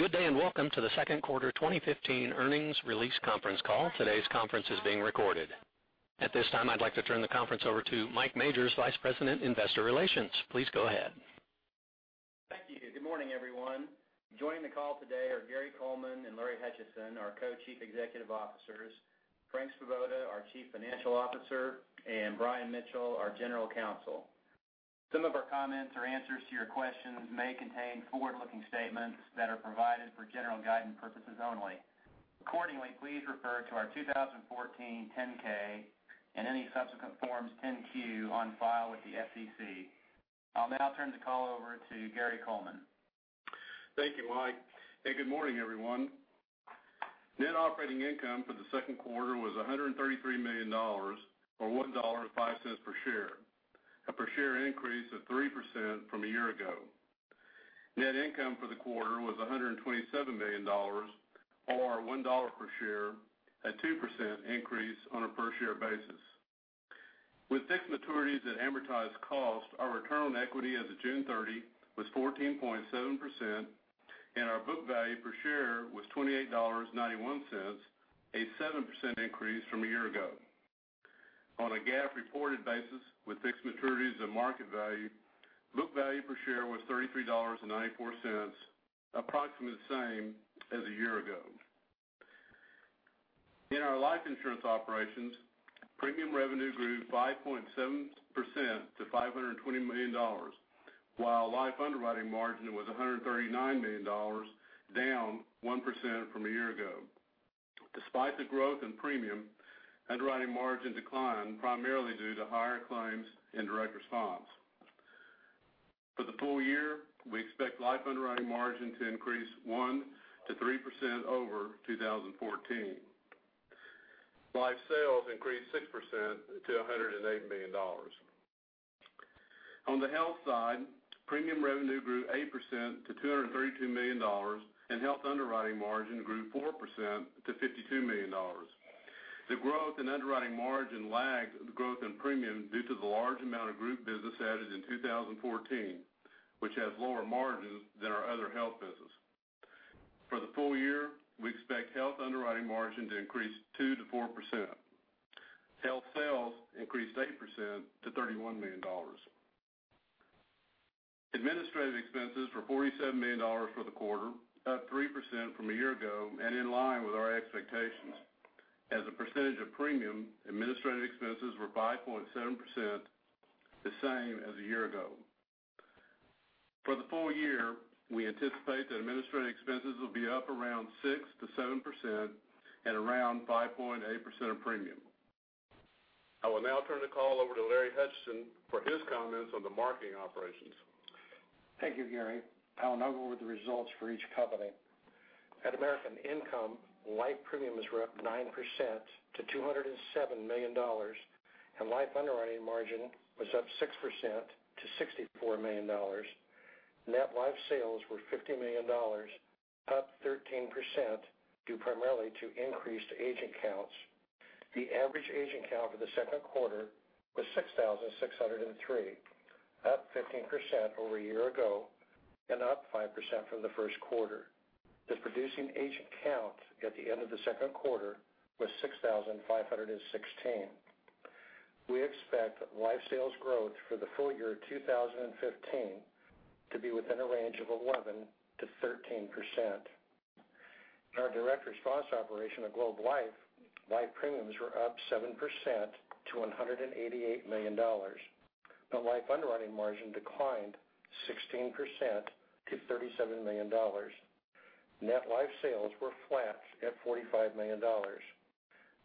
Good day. Welcome to the Second Quarter 2015 Earnings Release Conference Call. Today's conference is being recorded. At this time, I'd like to turn the conference over to Mike Majors, Vice President, Investor Relations. Please go ahead. Thank you. Good morning, everyone. Joining the call today are Gary Coleman and Larry Hutchison, our Co-Chief Executive Officers, Frank Svoboda, our Chief Financial Officer, and Brian Mitchell, our General Counsel. Some of our comments or answers to your questions may contain forward-looking statements that are provided for general guidance purposes only. Accordingly, please refer to our 2014 10-K and any subsequent Forms 10-Q on file with the SEC. I'll now turn the call over to Gary Coleman. Thank you, Mike. Good morning, everyone. Net operating income for the second quarter was $133 million, or $1.05 per share, a per share increase of 3% from a year ago. Net income for the quarter was $127 million, or $1 per share, a 2% increase on a per share basis. With fixed maturities at amortized cost, our return on equity as of June 30 was 14.7%, and our book value per share was $28.91, a 7% increase from a year ago. On a GAAP reported basis with fixed maturities and market value, book value per share was $33.94, approximately the same as a year ago. In our life insurance operations, premium revenue grew 5.7% to $520 million, while life underwriting margin was $139 million, down 1% from a year ago. Despite the growth in premium, underwriting margin declined primarily due to higher claims in direct response. For the full year, we expect life underwriting margin to increase 1%-3% over 2014. Life sales increased 6% to $108 million. On the health side, premium revenue grew 8% to $232 million. Health underwriting margin grew 4% to $52 million. The growth in underwriting margin lagged the growth in premium due to the large amount of group business added in 2014, which has lower margins than our other health business. For the full year, we expect health underwriting margin to increase 2%-4%. Health sales increased 8% to $31 million. Administrative expenses were $47 million for the quarter, up 3% from a year ago, in line with our expectations. As a percentage of premium, administrative expenses were 5.7%, the same as a year ago. For the full year, we anticipate that administrative expenses will be up around 6%-7%, around 5.8% of premium. I will now turn the call over to Larry Hutchison for his comments on the marketing operations. Thank you, Gary. I will now go over the results for each company. At American Income, life premiums were up 9% to $207 million, and life underwriting margin was up 6% to $64 million. Net life sales were $50 million, up 13% due primarily to increased agent counts. The average agent count for the second quarter was 6,603, up 15% over a year ago and up 5% from the first quarter. The producing agent count at the end of the second quarter was 6,516. We expect life sales growth for the full year 2015 to be within a range of 11%-13%. In our direct response operation at Globe Life, life premiums were up 7% to $188 million. Life underwriting margin declined 16% to $37 million. Net life sales were flat at $45 million.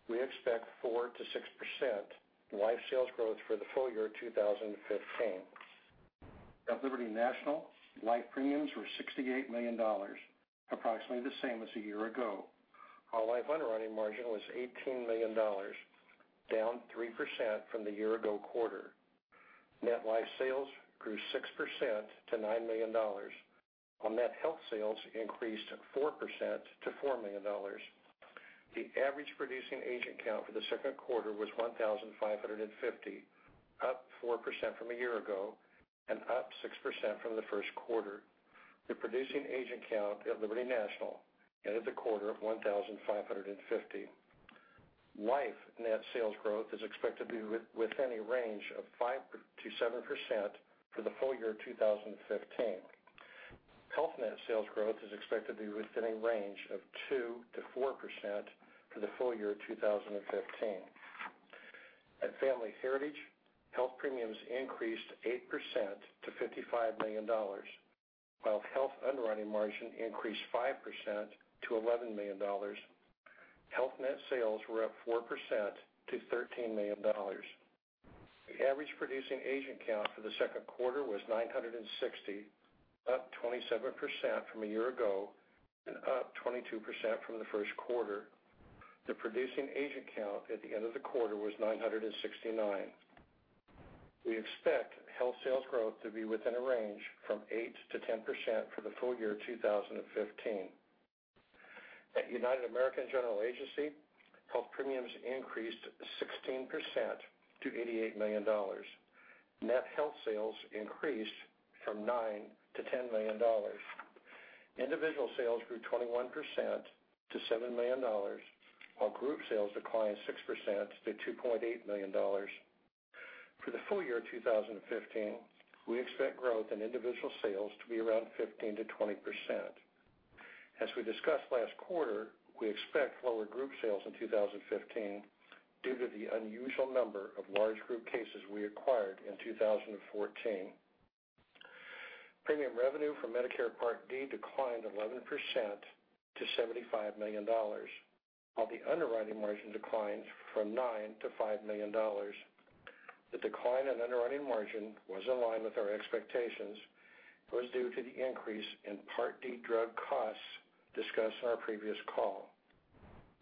We expect 4%-6% life sales growth for the full year 2015. At Liberty National, life premiums were $68 million, approximately the same as a year ago. Our life underwriting margin was $18 million, down 3% from the year ago quarter. Net life sales grew 6% to $9 million, while net health sales increased 4% to $4 million. The average producing agent count for the second quarter was 1,550, up 4% from a year ago and up 6% from the first quarter. The producing agent count at Liberty National ended the quarter at 1,550. Life net sales growth is expected to be within a range of 5%-7% for the full year 2015. Health net sales growth is expected to be within a range of 2%-4% for the full year 2015. At Family Heritage, health premiums increased 8% to $55 million, while health underwriting margin increased 5% to $11 million. Health net sales were up 4% to $13 million. The average producing agent count for the second quarter was 960, up 27% from a year ago and up 22% from the first quarter. The producing agent count at the end of the quarter was 969. We expect health sales growth to be within a range from 8%-10% for the full year 2015. At United American General Agency, health premiums increased 16% to $88 million. Net health sales increased from $9 million-$10 million. Individual sales grew 21% to $7 million, while group sales declined 6% to $2.8 million. For the full year 2015, we expect growth in individual sales to be around 15%-20%. As we discussed last quarter, we expect lower group sales in 2015 due to the unusual number of large group cases we acquired in 2014. Premium revenue from Medicare Part D declined 11% to $75 million, while the underwriting margin declined from $9 million to $5 million. The decline in underwriting margin was in line with our expectations and was due to the increase in Part D drug costs discussed on our previous call.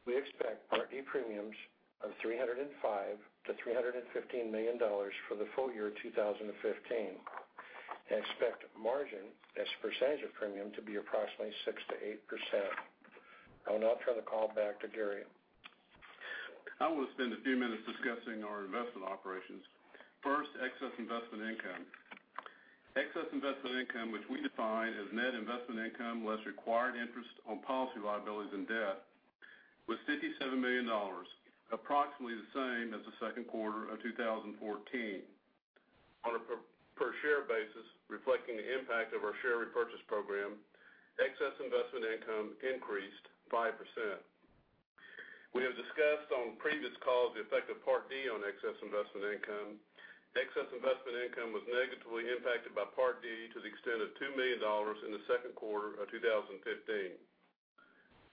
We expect Part D premiums of $305 million-$315 million for the full year 2015 and expect margin as a percentage of premium to be approximately 6%-8%. I will now turn the call back to Gary. I want to spend a few minutes discussing our investment operations. First, excess investment income. Excess investment income, which we define as net investment income less required interest on policy liabilities and debt, was $57 million, approximately the same as the second quarter of 2014. On a per share basis, reflecting the impact of our share repurchase program, excess investment income increased 5%. We have discussed on previous calls the effect of Part D on excess investment income. Excess investment income was negatively impacted by Part D to the extent of $2 million in the second quarter of 2015.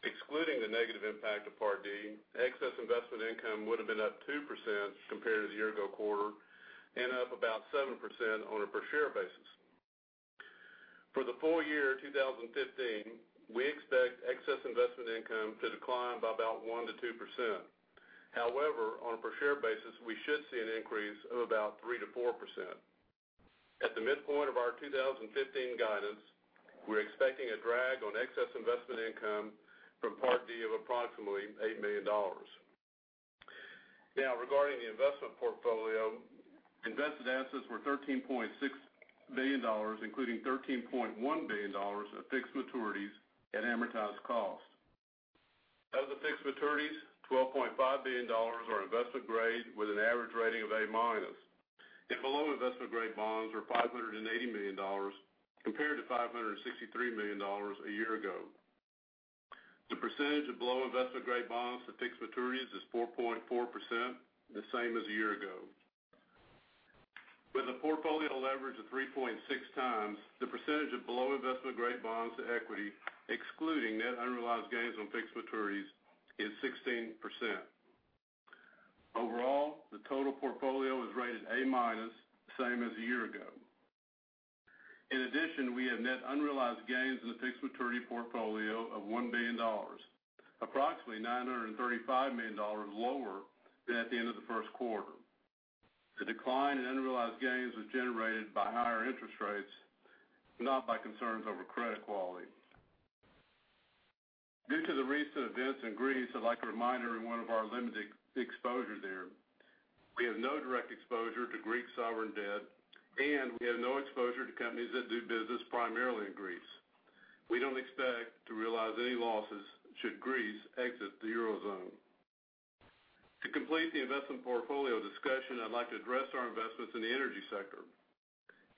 Excluding the negative impact of Part D, excess investment income would've been up 2% compared to the year ago quarter, and up about 7% on a per share basis. For the full year 2015, we expect excess investment income to decline by about 1%-2%. On a per share basis, we should see an increase of about 3%-4%. At the midpoint of our 2015 guidance, we're expecting a drag on excess investment income from Part D of approximately $8 million. Now, regarding the investment portfolio, invested assets were $13.6 billion, including $13.1 billion of fixed maturities at amortized costs. Out of the fixed maturities, $12.5 billion are investment grade with an average rating of A-minus, and below investment-grade bonds are $580 million compared to $563 million a year ago. The percentage of below investment-grade bonds to fixed maturities is 4.4%, the same as a year ago. With a portfolio leverage of 3.6 times, the percentage of below investment-grade bonds to equity, excluding net unrealized gains on fixed maturities, is 16%. Overall, the total portfolio was rated A-minus, same as a year ago. We have net unrealized gains in the fixed maturity portfolio of $1 billion, approximately $935 million lower than at the end of the first quarter. The decline in unrealized gains was generated by higher interest rates, not by concerns over credit quality. Due to the recent events in Greece, I'd like a reminder on one of our limited exposure there. We have no direct exposure to Greek sovereign debt, and we have no exposure to companies that do business primarily in Greece. We don't expect to realize any losses should Greece exit the Eurozone. To complete the investment portfolio discussion, I'd like to address our investments in the energy sector.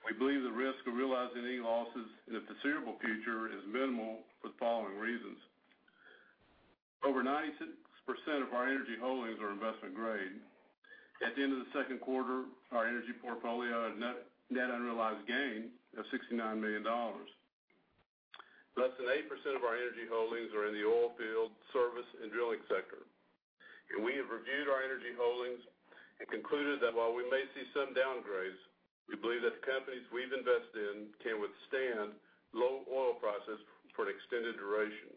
We believe the risk of realizing any losses in the foreseeable future is minimal for the following reasons. Over 96% of our energy holdings are investment grade. At the end of the second quarter, our energy portfolio had net unrealized gain of $69 million. Less than 8% of our energy holdings are in the oil field service and drilling sector. We have reviewed our energy holdings and concluded that while we may see some downgrades, we believe that the companies we've invested in can withstand low oil prices for an extended duration.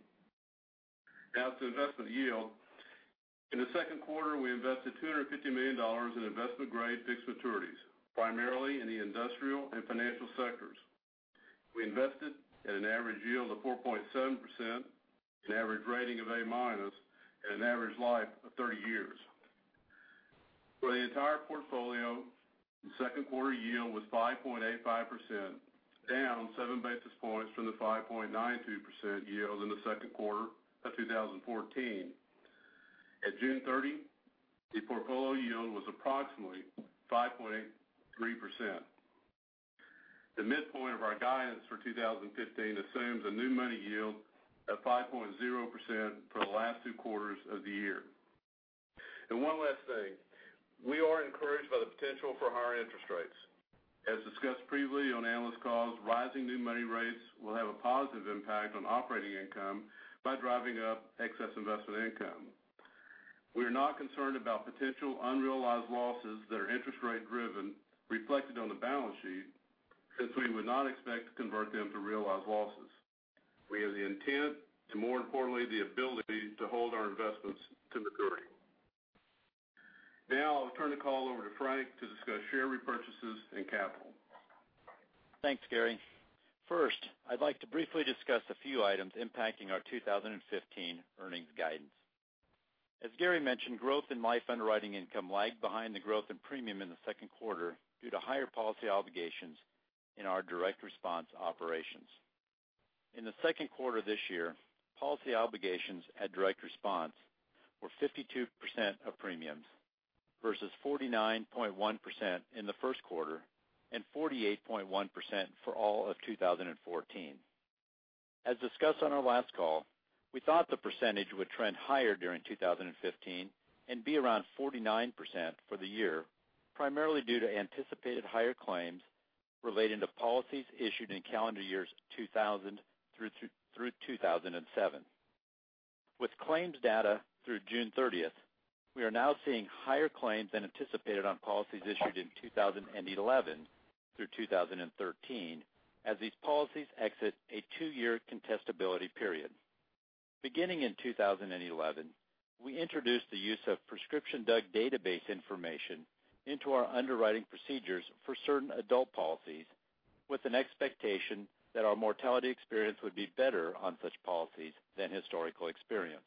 Now to investment yield. In the second quarter, we invested $250 million in investment-grade fixed maturities, primarily in the industrial and financial sectors. We invested at an average yield of 4.7%, an average rating of A-minus, and an average life of 30 years. For the entire portfolio, the second quarter yield was 5.85%, down seven basis points from the 5.92% yield in the second quarter of 2014. At June 30, the portfolio yield was approximately 5.3%. The midpoint of our guidance for 2015 assumes a new money yield of 5.0% for the last two quarters of the year. One last thing, we are encouraged by the potential for higher interest rates. As discussed previously on analyst calls, rising new money rates will have a positive impact on operating income by driving up excess investment income. We are not concerned about potential unrealized losses that are interest rate driven reflected on the balance sheet, since we would not expect to convert them to realized losses. We have the intent and more importantly, the ability to hold our investments to maturity. Turn the call over to Frank to discuss share repurchases and capital. Thanks, Gary. First, I'd like to briefly discuss a few items impacting our 2015 earnings guidance. As Gary mentioned, growth in life underwriting income lagged behind the growth in premium in the second quarter due to higher policy obligations in our direct response operations. In the second quarter this year, policy obligations at direct response were 52% of premiums, versus 49.1% in the first quarter and 48.1% for all of 2014. As discussed on our last call, we thought the percentage would trend higher during 2015 and be around 49% for the year, primarily due to anticipated higher claims relating to policies issued in calendar years 2000 through 2007. With claims data through June 30, we are now seeing higher claims than anticipated on policies issued in 2011 through 2013 as these policies exit a two-year contestability period. Beginning in 2011, we introduced the use of prescription drug database information into our underwriting procedures for certain adult policies, with an expectation that our mortality experience would be better on such policies than historical experience.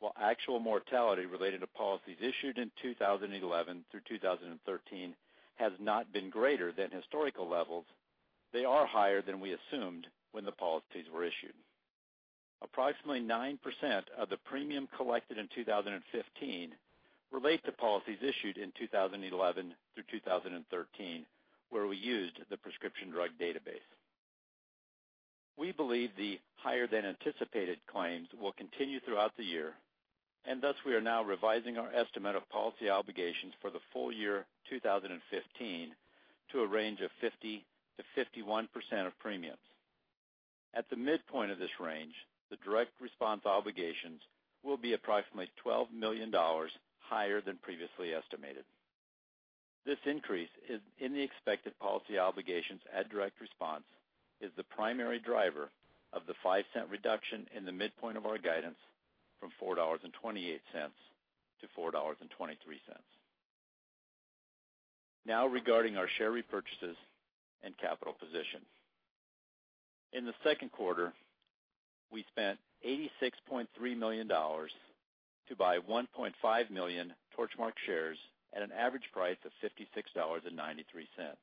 While actual mortality related to policies issued in 2011 through 2013 has not been greater than historical levels, they are higher than we assumed when the policies were issued. Approximately 9% of the premium collected in 2015 relate to policies issued in 2011 through 2013, where we used the prescription drug database. We believe the higher than anticipated claims will continue throughout the year, thus we are now revising our estimate of policy obligations for the full year 2015 to a range of 50%-51% of premiums. At the midpoint of this range, the direct response obligations will be approximately $12 million higher than previously estimated. This increase in the expected policy obligations at direct response is the primary driver of the $0.05 reduction in the midpoint of our guidance from $4.28 to $4.23. Regarding our share repurchases and capital position. In the second quarter, we spent $86.3 million to buy 1.5 million Torchmark shares at an average price of $56.93.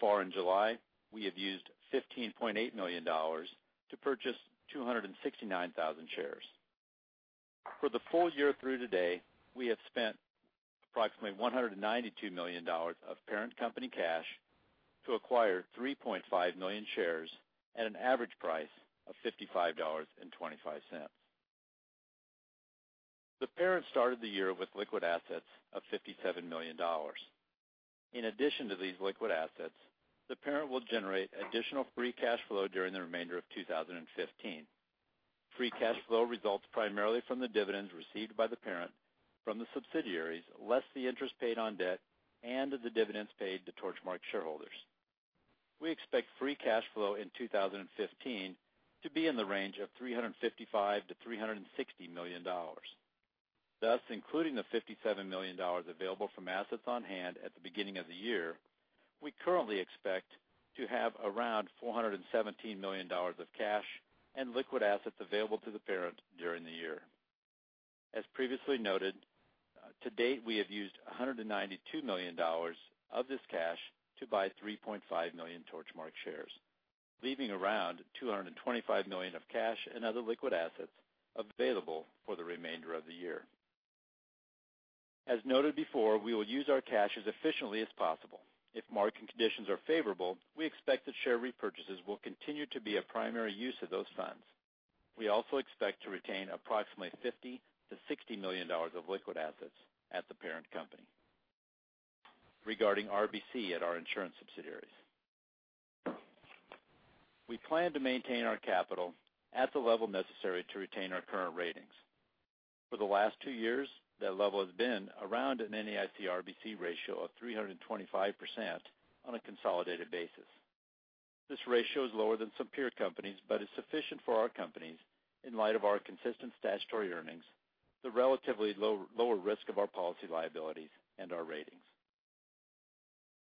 Far in July, we have used $15.8 million to purchase 269,000 shares. For the full year through today, we have spent approximately $192 million of parent company cash to acquire 3.5 million shares at an average price of $55.25. The parent started the year with liquid assets of $57 million. In addition to these liquid assets, the parent will generate additional free cash flow during the remainder of 2015. Free cash flow results primarily from the dividends received by the parent from the subsidiaries, less the interest paid on debt and the dividends paid to Torchmark shareholders. We expect free cash flow in 2015 to be in the range of $355 million-$360 million. Including the $57 million available from assets on hand at the beginning of the year, we currently expect to have around $417 million of cash and liquid assets available to the parent during the year. As previously noted, to date, we have used $192 million of this cash to buy 3.5 million Torchmark shares, leaving around $225 million of cash and other liquid assets available for the remainder of the year. As noted before, we will use our cash as efficiently as possible. If market conditions are favorable, we expect that share repurchases will continue to be a primary use of those funds. We also expect to retain approximately $50 million-$60 million of liquid assets at the parent company. Regarding RBC at our insurance subsidiaries. We plan to maintain our capital at the level necessary to retain our current ratings. For the last two years, that level has been around an NAIC RBC ratio of 325% on a consolidated basis. This ratio is lower than some peer companies, but is sufficient for our companies in light of our consistent statutory earnings, the relatively lower risk of our policy liabilities, and our ratings.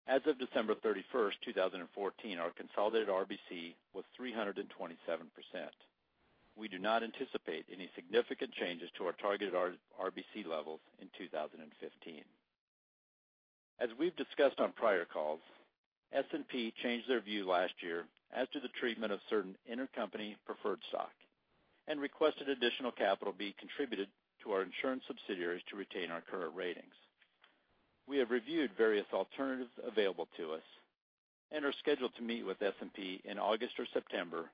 As of December 31, 2014, our consolidated RBC was 327%. We do not anticipate any significant changes to our target RBC levels in 2015. As we've discussed on prior calls, S&P changed their view last year as to the treatment of certain intercompany preferred stock and requested additional capital be contributed to our insurance subsidiaries to retain our current ratings. We have reviewed various alternatives available to us and are scheduled to meet with S&P in August or September,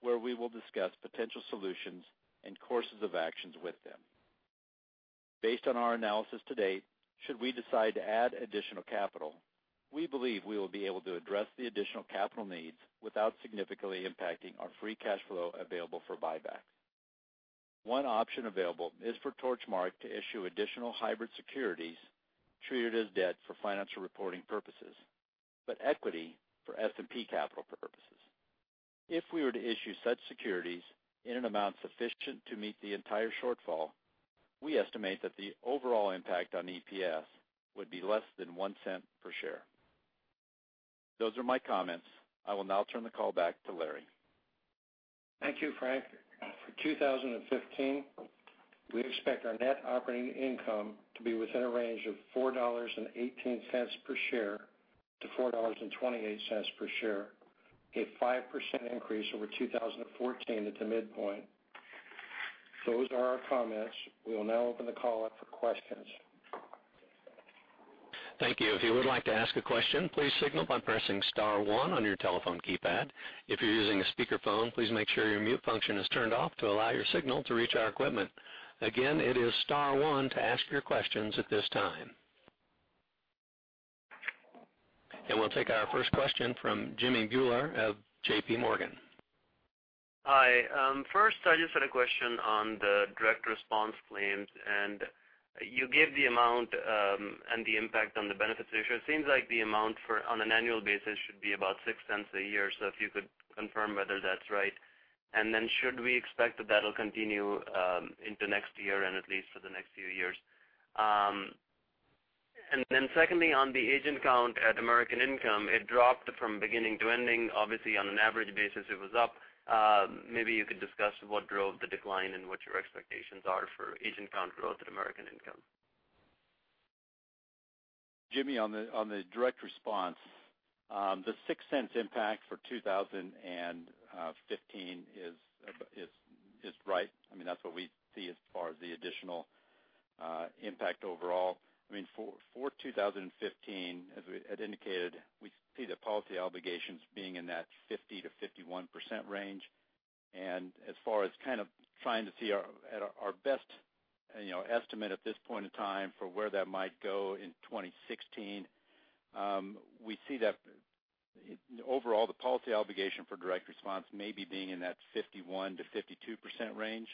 where we will discuss potential solutions and courses of actions with them. Based on our analysis to date, should we decide to add additional capital, we believe we will be able to address the additional capital needs without significantly impacting our free cash flow available for buyback. One option available is for Torchmark to issue additional hybrid securities treated as debt for financial reporting purposes, but equity for S&P capital purposes. If we were to issue such securities in an amount sufficient to meet the entire shortfall, we estimate that the overall impact on EPS would be less than $0.01 per share. Those are my comments. I will now turn the call back to Larry. Thank you, Frank. For 2015, we expect our net operating income to be within a range of $4.18-$4.28 per share, a 5% increase over 2014 at the midpoint. Those are our comments. We will now open the call up for questions. Thank you. If you would like to ask a question, please signal by pressing star one on your telephone keypad. If you're using a speakerphone, please make sure your mute function is turned off to allow your signal to reach our equipment. Again, it is star one to ask your questions at this time. We'll take our first question from Jimmy Bhullar of JPMorgan. Hi, first, I just had a question on the direct response claims, and you gave the amount, and the impact on the benefit ratio. It seems like the amount on an annual basis should be about $0.06 a year. If you could confirm whether that's right. Should we expect that will continue into next year and at least for the next few years? Secondly, on the agent count at American Income, it dropped from beginning to ending. Obviously, on an average basis, it was up. Maybe you could discuss what drove the decline and what your expectations are for agent count growth at American Income. Jimmy, on the direct response, the $0.06 impact for 2015 is right. I mean, that's what we see as far as the additional impact overall. For 2015, as we had indicated, we see the policy obligations being in that 50%-51% range. As far as kind of trying to see our best estimate at this point in time for where that might go in 2016, we see that overall the policy obligation for direct response may be being in that 51%-52% range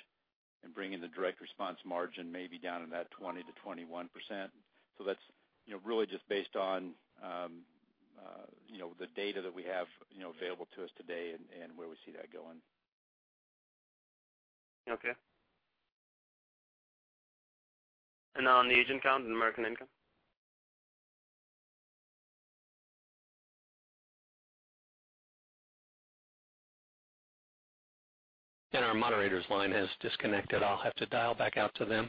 and bringing the direct response margin maybe down to that 20%-21%. That's really just based on the data that we have available to us today and where we see that going. Okay. On the agent count in American Income? Our moderator's line has disconnected. I'll have to dial back out to them.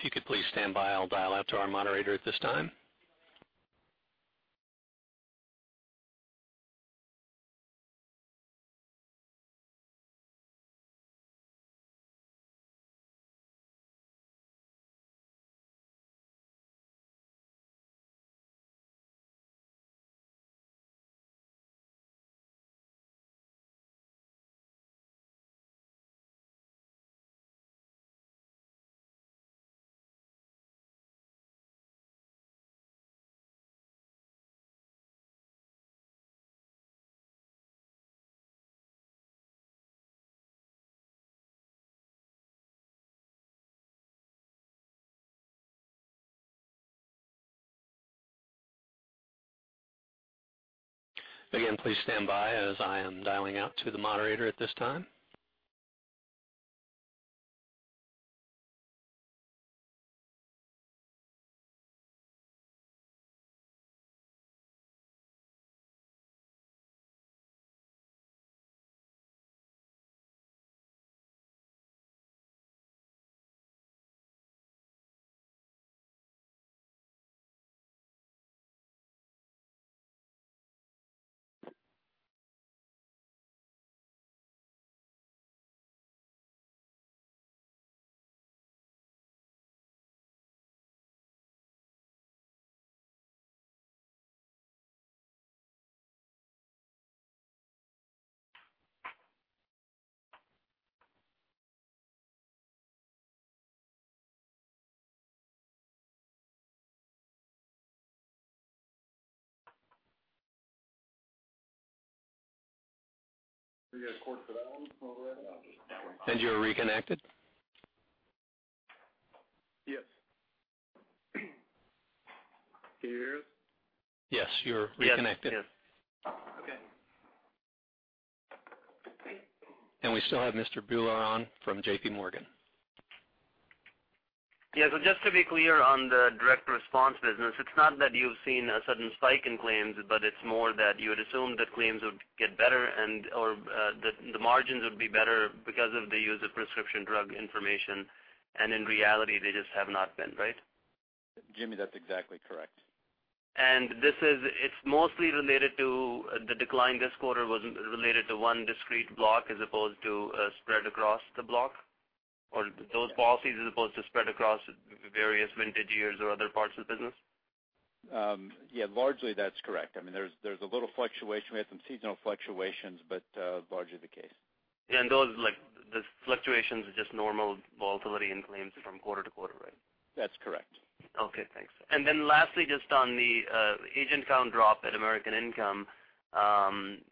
If you could please stand by, I'll dial out to our moderator at this time. Again, please stand by as I am dialing out to the moderator at this time. You're reconnected? Yes. Can you hear us? Yes, you're reconnected. Yes. Okay. We still have Mr. Bhullar on from JPMorgan. Just to be clear on the direct response business, it's not that you've seen a sudden spike in claims, but it's more that you had assumed that claims would get better or that the margins would be better because of the use of prescription drug information, and in reality they just have not been right? Jimmy, that's exactly correct. It's mostly related to the decline this quarter was related to one discrete block as opposed to spread across the block? Or those policies as opposed to spread across various vintage years or other parts of the business? Yeah, largely that's correct. I mean, there's a little fluctuation. We had some seasonal fluctuations, but largely the case. Those, like, the fluctuations are just normal volatility in claims from quarter to quarter, right? That's correct. Lastly, just on the agent count drop at American Income,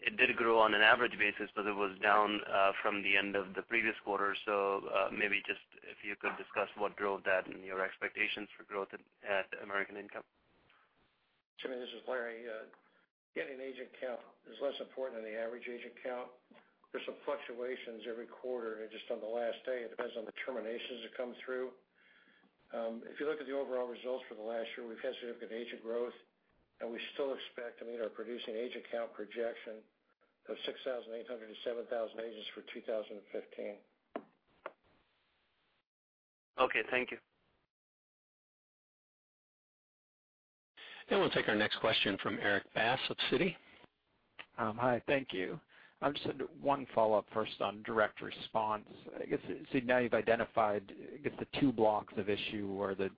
it did grow on an average basis, but it was down from the end of the previous quarter. Maybe just if you could discuss what drove that and your expectations for growth at American Income. Jimmy, this is Larry. Getting agent count is less important than the average agent count. There's some fluctuations every quarter and just on the last day, it depends on the terminations that come through. If you look at the overall results for the last year, we've had significant agent growth. We still expect to meet our producing agent count projection of 6,800-7,000 agents for 2015. Okay, thank you. We'll take our next question from Erik Bass of Citigroup. Hi, thank you. Just one follow-up first on direct response. Now you've identified the two blocks of issue or the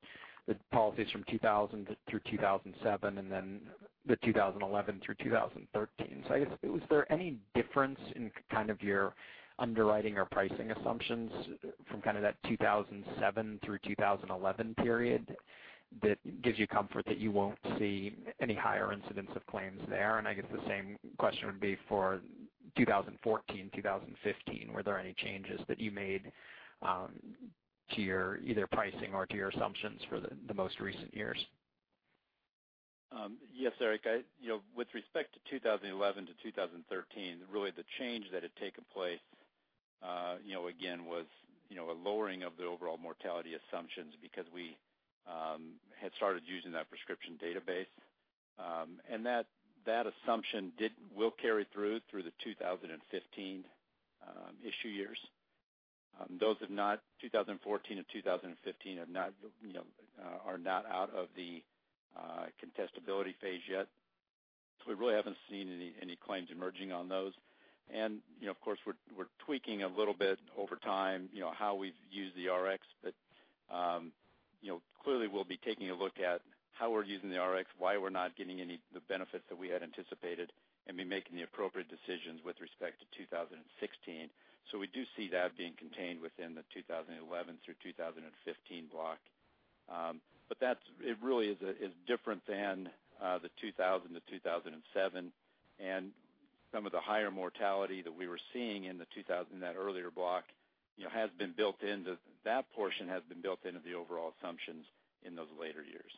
policies from 2000-2007, then the 2011-2013. Was there any difference in kind of your underwriting or pricing assumptions from kind of that 2007-2011 period that gives you comfort that you won't see any higher incidence of claims there? The same question would be for 2014, 2015. Were there any changes that you made to your either pricing or to your assumptions for the most recent years? Yes, Erik. With respect to 2011-2013, really the change that had taken place, again, was a lowering of the overall mortality assumptions because we had started using that prescription database. That assumption will carry through the 2015 issue years. Those of 2014 or 2015 are not out of the contestability period yet, we really haven't seen any claims emerging on those. Of course, we're tweaking a little bit over time how we've used the Rx, clearly, we'll be taking a look at how we're using the Rx, why we're not getting any of the benefits that we had anticipated, and be making the appropriate decisions with respect to 2016. We do see that being contained within the 2011-2015 block. It really is different than the 2000-2007, some of the higher mortality that we were seeing in that earlier block has been built into the overall assumptions in those later years.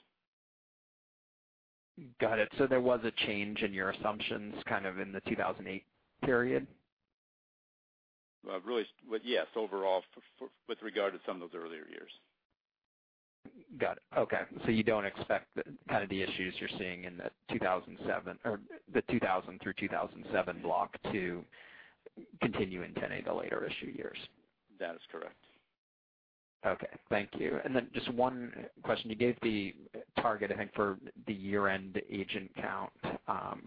Got it. There was a change in your assumptions kind of in the 2008 period? Well, yes. Overall, with regard to some of those earlier years. Got it. Okay. You don't expect kind of the issues you're seeing in the 2000 through 2007 block to continue into any of the later issue years? That is correct. Okay. Thank you. Then just one question. You gave the target, I think, for the year-end agent count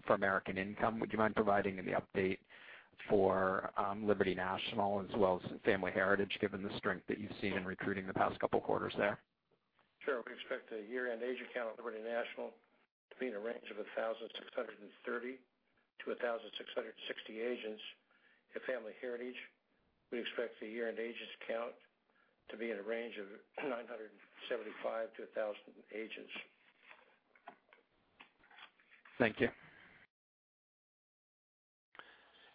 for American Income. Would you mind providing any update for Liberty National as well as Family Heritage, given the strength that you've seen in recruiting the past couple quarters there? Sure. We expect the year-end agent count at Liberty National to be in a range of 1,630 to 1,660 agents. At Family Heritage, we expect the year-end agents count to be in a range of 975 to 1,000 agents. Thank you.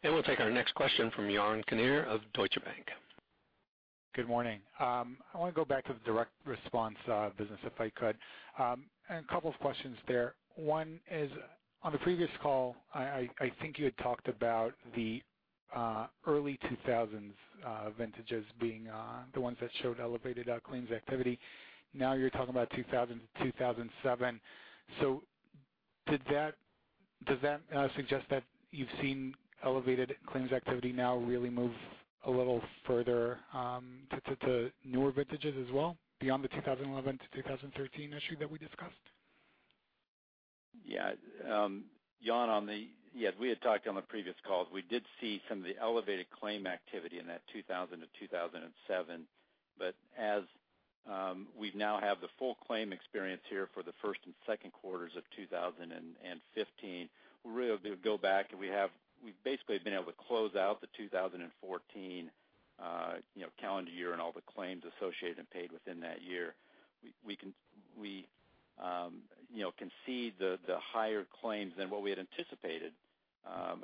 We'll take our next question from Yaron Kinar of Deutsche Bank. Good morning. I want to go back to the direct response business, if I could. A couple of questions there. One is, on the previous call, I think you had talked about the early 2000s vintages being the ones that showed elevated claims activity. Now you're talking about 2000-2007. Does that suggest that you've seen elevated claims activity now really move a little further to newer vintages as well, beyond the 2011 to 2013 issue that we discussed? Yaron, we had talked on the previous calls. We did see some of the elevated claim activity in that 2000-2007. As we now have the full claim experience here for the first and second quarters of 2015, we're able to go back and we've basically been able to close out the 2014 calendar year and all the claims associated and paid within that year. We can see the higher claims than what we had anticipated,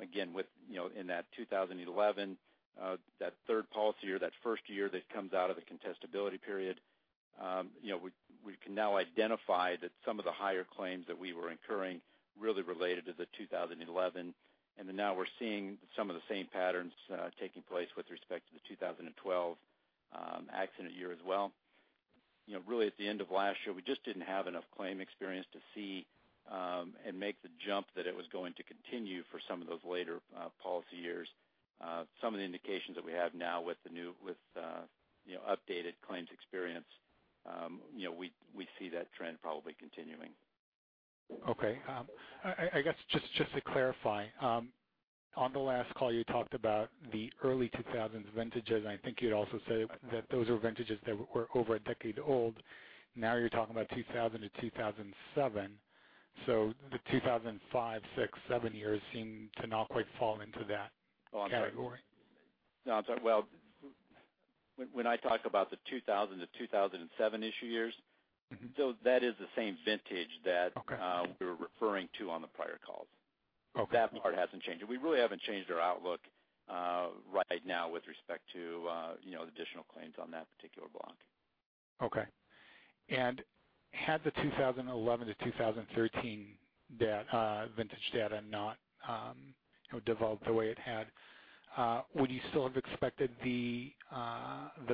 again, in that 2011, that third policy or that first year that comes out of the contestability period. We can now identify that some of the higher claims that we were incurring really related to the 2011, now we're seeing some of the same patterns taking place with respect to the 2012 accident year as well. Really at the end of last year, we just didn't have enough claim experience to see and make the jump that it was going to continue for some of those later policy years. Some of the indications that we have now with the updated claims experience, we see that trend probably continuing. Okay. I guess just to clarify, on the last call you talked about the early 2000s vintages. I think you'd also said that those were vintages that were over a decade old. Now you're talking about 2000-2007. The 2005, '06, '07 years seem to not quite fall into that category. No. When I talk about the 2000-2007 issue years. that is the same vintage. Okay we were referring to on the prior calls. That part hasn't changed. We really haven't changed our outlook right now with respect to the additional claims on that particular block. Okay. Had the 2011-2013 vintage data not developed the way it had, would you still have expected the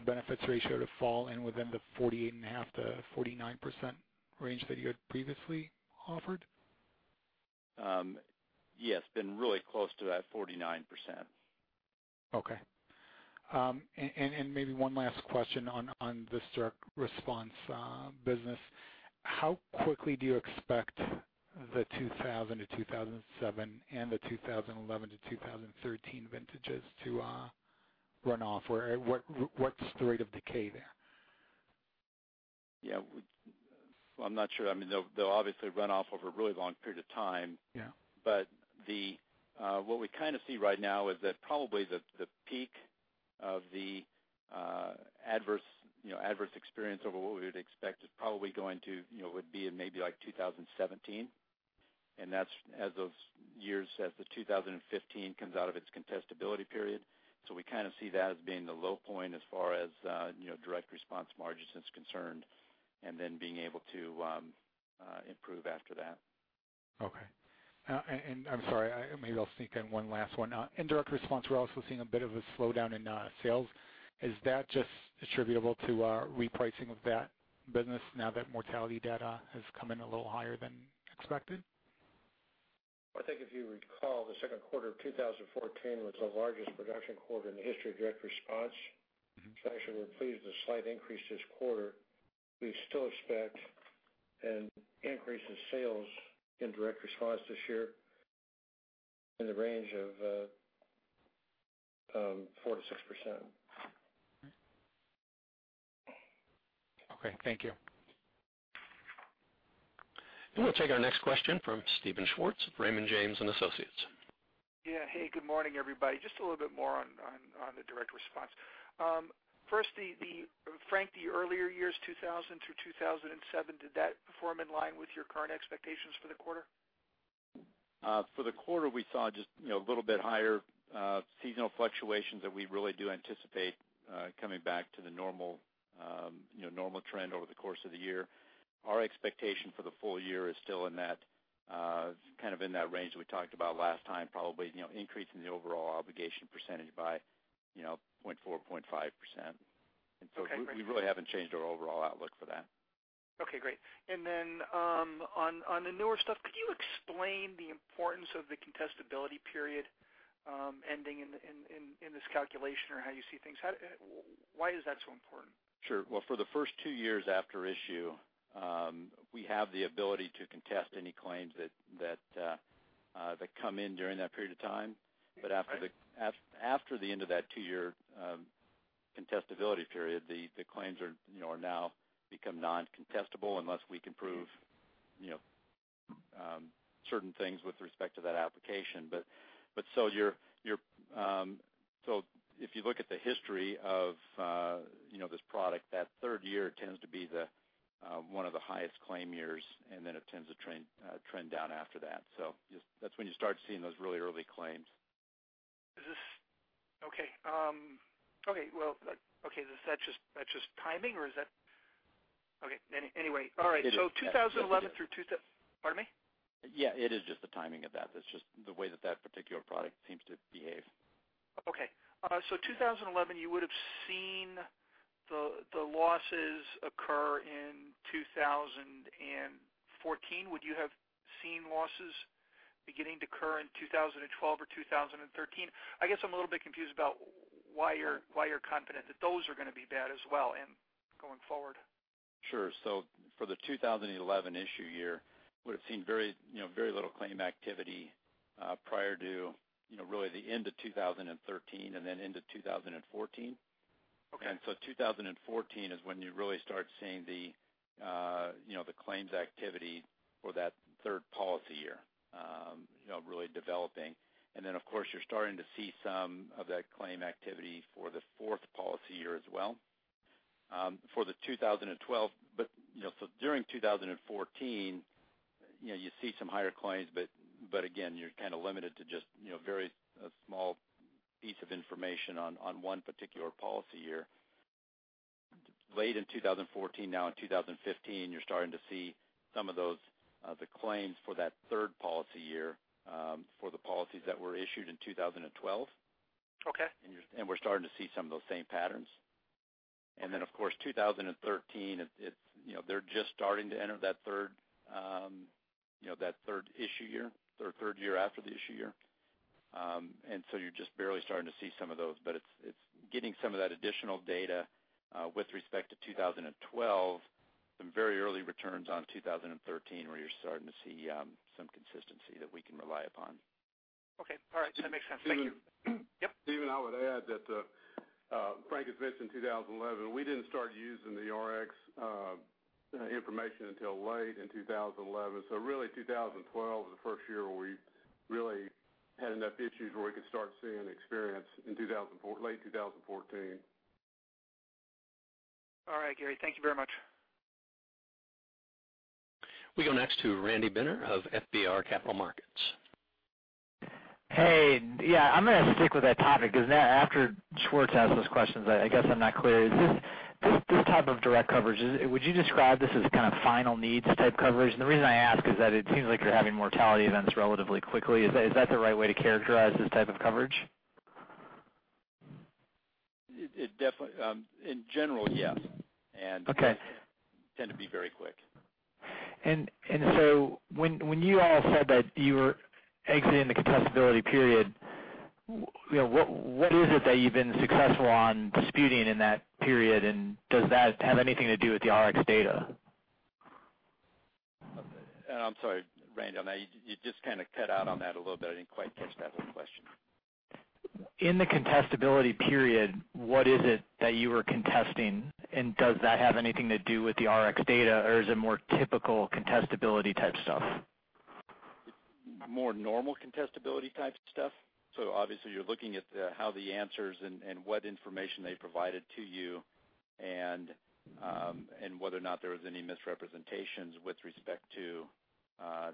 benefits ratio to fall in within the 48.5%-49% range that you had previously offered? Yes, been really close to that 49%. Maybe one last question on this direct response business. How quickly do you expect the 2000-2007 and the 2011-2013 vintages to run off? Or what's the rate of decay there? Well, I'm not sure. They'll obviously run off over a really long period of time. Yeah. What we kind of see right now is that probably the peak of the adverse experience over what we would expect would be in maybe 2017, and that's as the 2015 comes out of its contestability period. We kind of see that as being the low point as far as direct response margin is concerned, then being able to improve after that. Okay. I'm sorry, maybe I'll sneak in one last one. In direct response, we're also seeing a bit of a slowdown in sales. Is that just attributable to repricing of that business now that mortality data has come in a little higher than expected? I think if you recall, the second quarter of 2014 was the largest production quarter in the history of direct response. Actually, we're pleased with the slight increase this quarter. We still expect an increase in sales in direct response this year in the range of 4%-6%. Okay. Thank you. We'll take our next question from Steven Schwartz of Raymond James & Associates. Yeah. Hey, good morning, everybody. Just a little bit more on the direct response. First, Frank, the earlier years, 2000 through 2007, did that perform in line with your current expectations for the quarter? For the quarter, we saw just a little bit higher seasonal fluctuations that we really do anticipate coming back to the normal trend over the course of the year. Our expectation for the full year is still kind of in that range that we talked about last time, probably increasing the overall obligation percentage by 0.4%, 0.5%. Okay, great. We really haven't changed our overall outlook for that. Okay, great. On the newer stuff, could you explain the importance of the contestability period ending in this calculation or how you see things? Why is that so important? Sure. Well, for the first two years after issue, we have the ability to contest any claims that come in during that period of time. After the end of that two-year contestability period, the claims now become non-contestable unless we can prove certain things with respect to that application. If you look at the history of this product, that third year tends to be one of the highest claim years, and then it tends to trend down after that. That's when you start seeing those really early claims. Is this. Okay. Well, okay. Is that just timing or is that? Okay. Anyway, all right. It is. 2011 through two--. Pardon me? Yeah, it is just the timing of that. That's just the way that particular product seems to behave. Okay. 2011, you would've seen the losses occur in 2014. Would you have seen losses beginning to occur in 2012 or 2013? I guess I'm a little bit confused about why you're confident that those are going to be bad as well and going forward. Sure. For the 2011 issue year, would've seen very little claim activity prior to really the end of 2013, into 2014. Okay. 2014 is when you really start seeing the claims activity for that third policy year really developing. Then, of course, you're starting to see some of that claim activity for the fourth policy year as well. For the 2012, during 2014, you see some higher claims. Again, you're kind of limited to just very small piece of information on one particular policy year. Late in 2014, now in 2015, you're starting to see some of the claims for that third policy year for the policies that were issued in 2012. Okay. We're starting to see some of those same patterns. Of course, 2013, they're just starting to enter that third issue year or third year after the issue year. You're just barely starting to see some of those. It's getting some of that additional data with respect to 2012, some very early returns on 2013, where you're starting to see some consistency that we can rely upon. Okay. All right. That makes sense. Thank you. Steven? Yep. Steven, I would add that Frank had mentioned 2011, we didn't start using the Rx information until late in 2011. Really 2012 was the first year where we really had enough issues where we could start seeing experience in late 2014. All right, Gary. Thank you very much. We go next to Randy Binner of FBR Capital Markets. Hey. Yeah, I'm going to stick with that topic, because after Schwartz asked those questions, I guess I'm not clear. This type of direct coverage, would you describe this as kind of final needs type coverage? The reason I ask is that it seems like you're having mortality events relatively quickly. Is that the right way to characterize this type of coverage? In general, yes. Okay. Tend to be very quick. When you all said that you were exiting the contestability period, what is it that you've been successful on disputing in that period, and does that have anything to do with the Rx data? I'm sorry, Randy, on that. You just kind of cut out on that a little bit. I didn't quite catch that last question. In the contestability period, what is it that you were contesting, and does that have anything to do with the Rx data, or is it more typical contestability type stuff? More normal contestability type stuff. Obviously you're looking at how the answers and what information they provided to you and whether or not there was any misrepresentations with respect to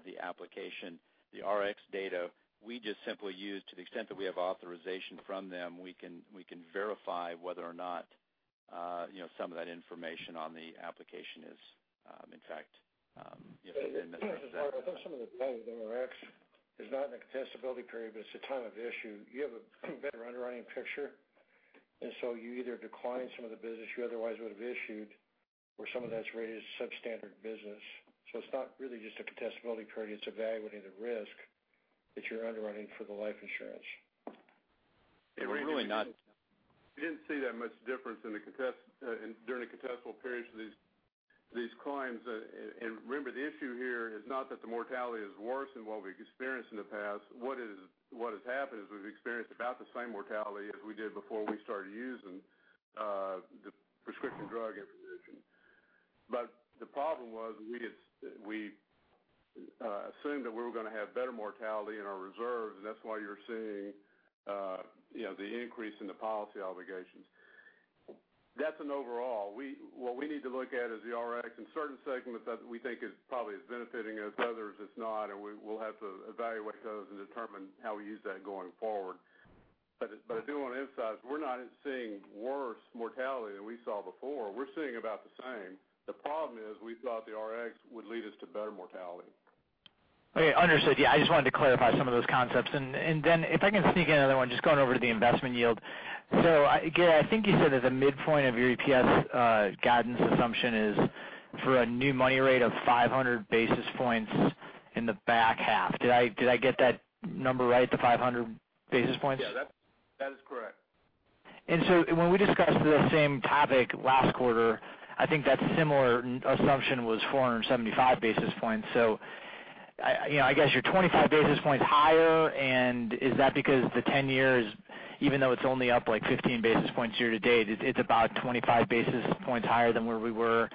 the application. The Rx data, we just simply use to the extent that we have authorization from them, we can verify whether or not some of that information on the application is in fact a misrepresentation. I thought some of the delay with Rx is not in the contestability period, but it's the time of issue. You have a better underwriting picture, you either decline some of the business you otherwise would have issued or some of that's rated as substandard business. It's not really just a contestability period, it's evaluating the risk that you're underwriting for the life insurance. We're really not. We didn't see that much difference during the contestable periods for these claims. Remember, the issue here is not that the mortality is worse than what we've experienced in the past. What has happened is we've experienced about the same mortality as we did before we started using the prescription drug information. The problem was we assumed that we were going to have better mortality in our reserves, and that's why you're seeing the increase in the policy obligations. That's an overall. What we need to look at is the Rx. In certain segments, that we think is probably is benefiting us. Others, it's not, and we'll have to evaluate those and determine how we use that going forward. I do want to emphasize, we're not seeing worse mortality than we saw before. We're seeing about the same. The problem is we thought the Rx would lead us to better mortality. Okay, understood. I just wanted to clarify some of those concepts. If I can sneak another one, just going over to the investment yield. Gary, I think you said that the midpoint of your EPS guidance assumption is for a new money rate of 500 basis points in the back half. Did I get that number right, the 500 basis points? Yeah, that is correct. When we discussed this same topic last quarter, I think that similar assumption was 475 basis points. I guess you're 25 basis points higher, and is that because the 10-year, even though it's only up like 15 basis points year to date, it's about 25 basis points higher than where we were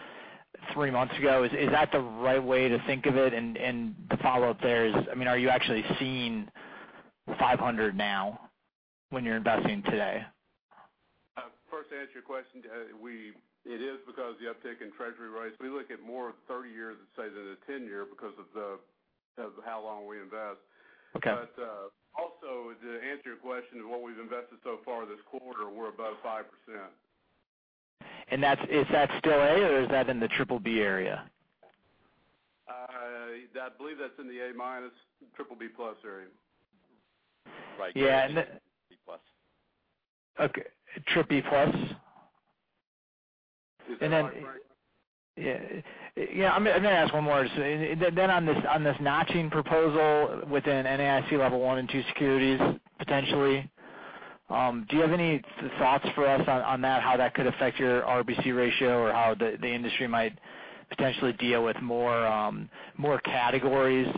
three months ago. Is that the right way to think of it? The follow-up there is, are you actually seeing 500 now when you're investing today? First, to answer your question, it is because the uptick in Treasury rates. We look at more of the 30-year than, say, the 10-year because of how long we invest. Okay. Also to answer your question of what we've invested so far this quarter, we're above 5%. Is that still A, or is that in the BBB area? I believe that's in the A- BBB+ area. Right. B+. Okay. BBB+? Is that right, Craig? On this notching proposal within NAIC Level 1 and 2 securities, potentially, do you have any thoughts for us on that, how that could affect your RBC ratio or how the industry might potentially deal with more categories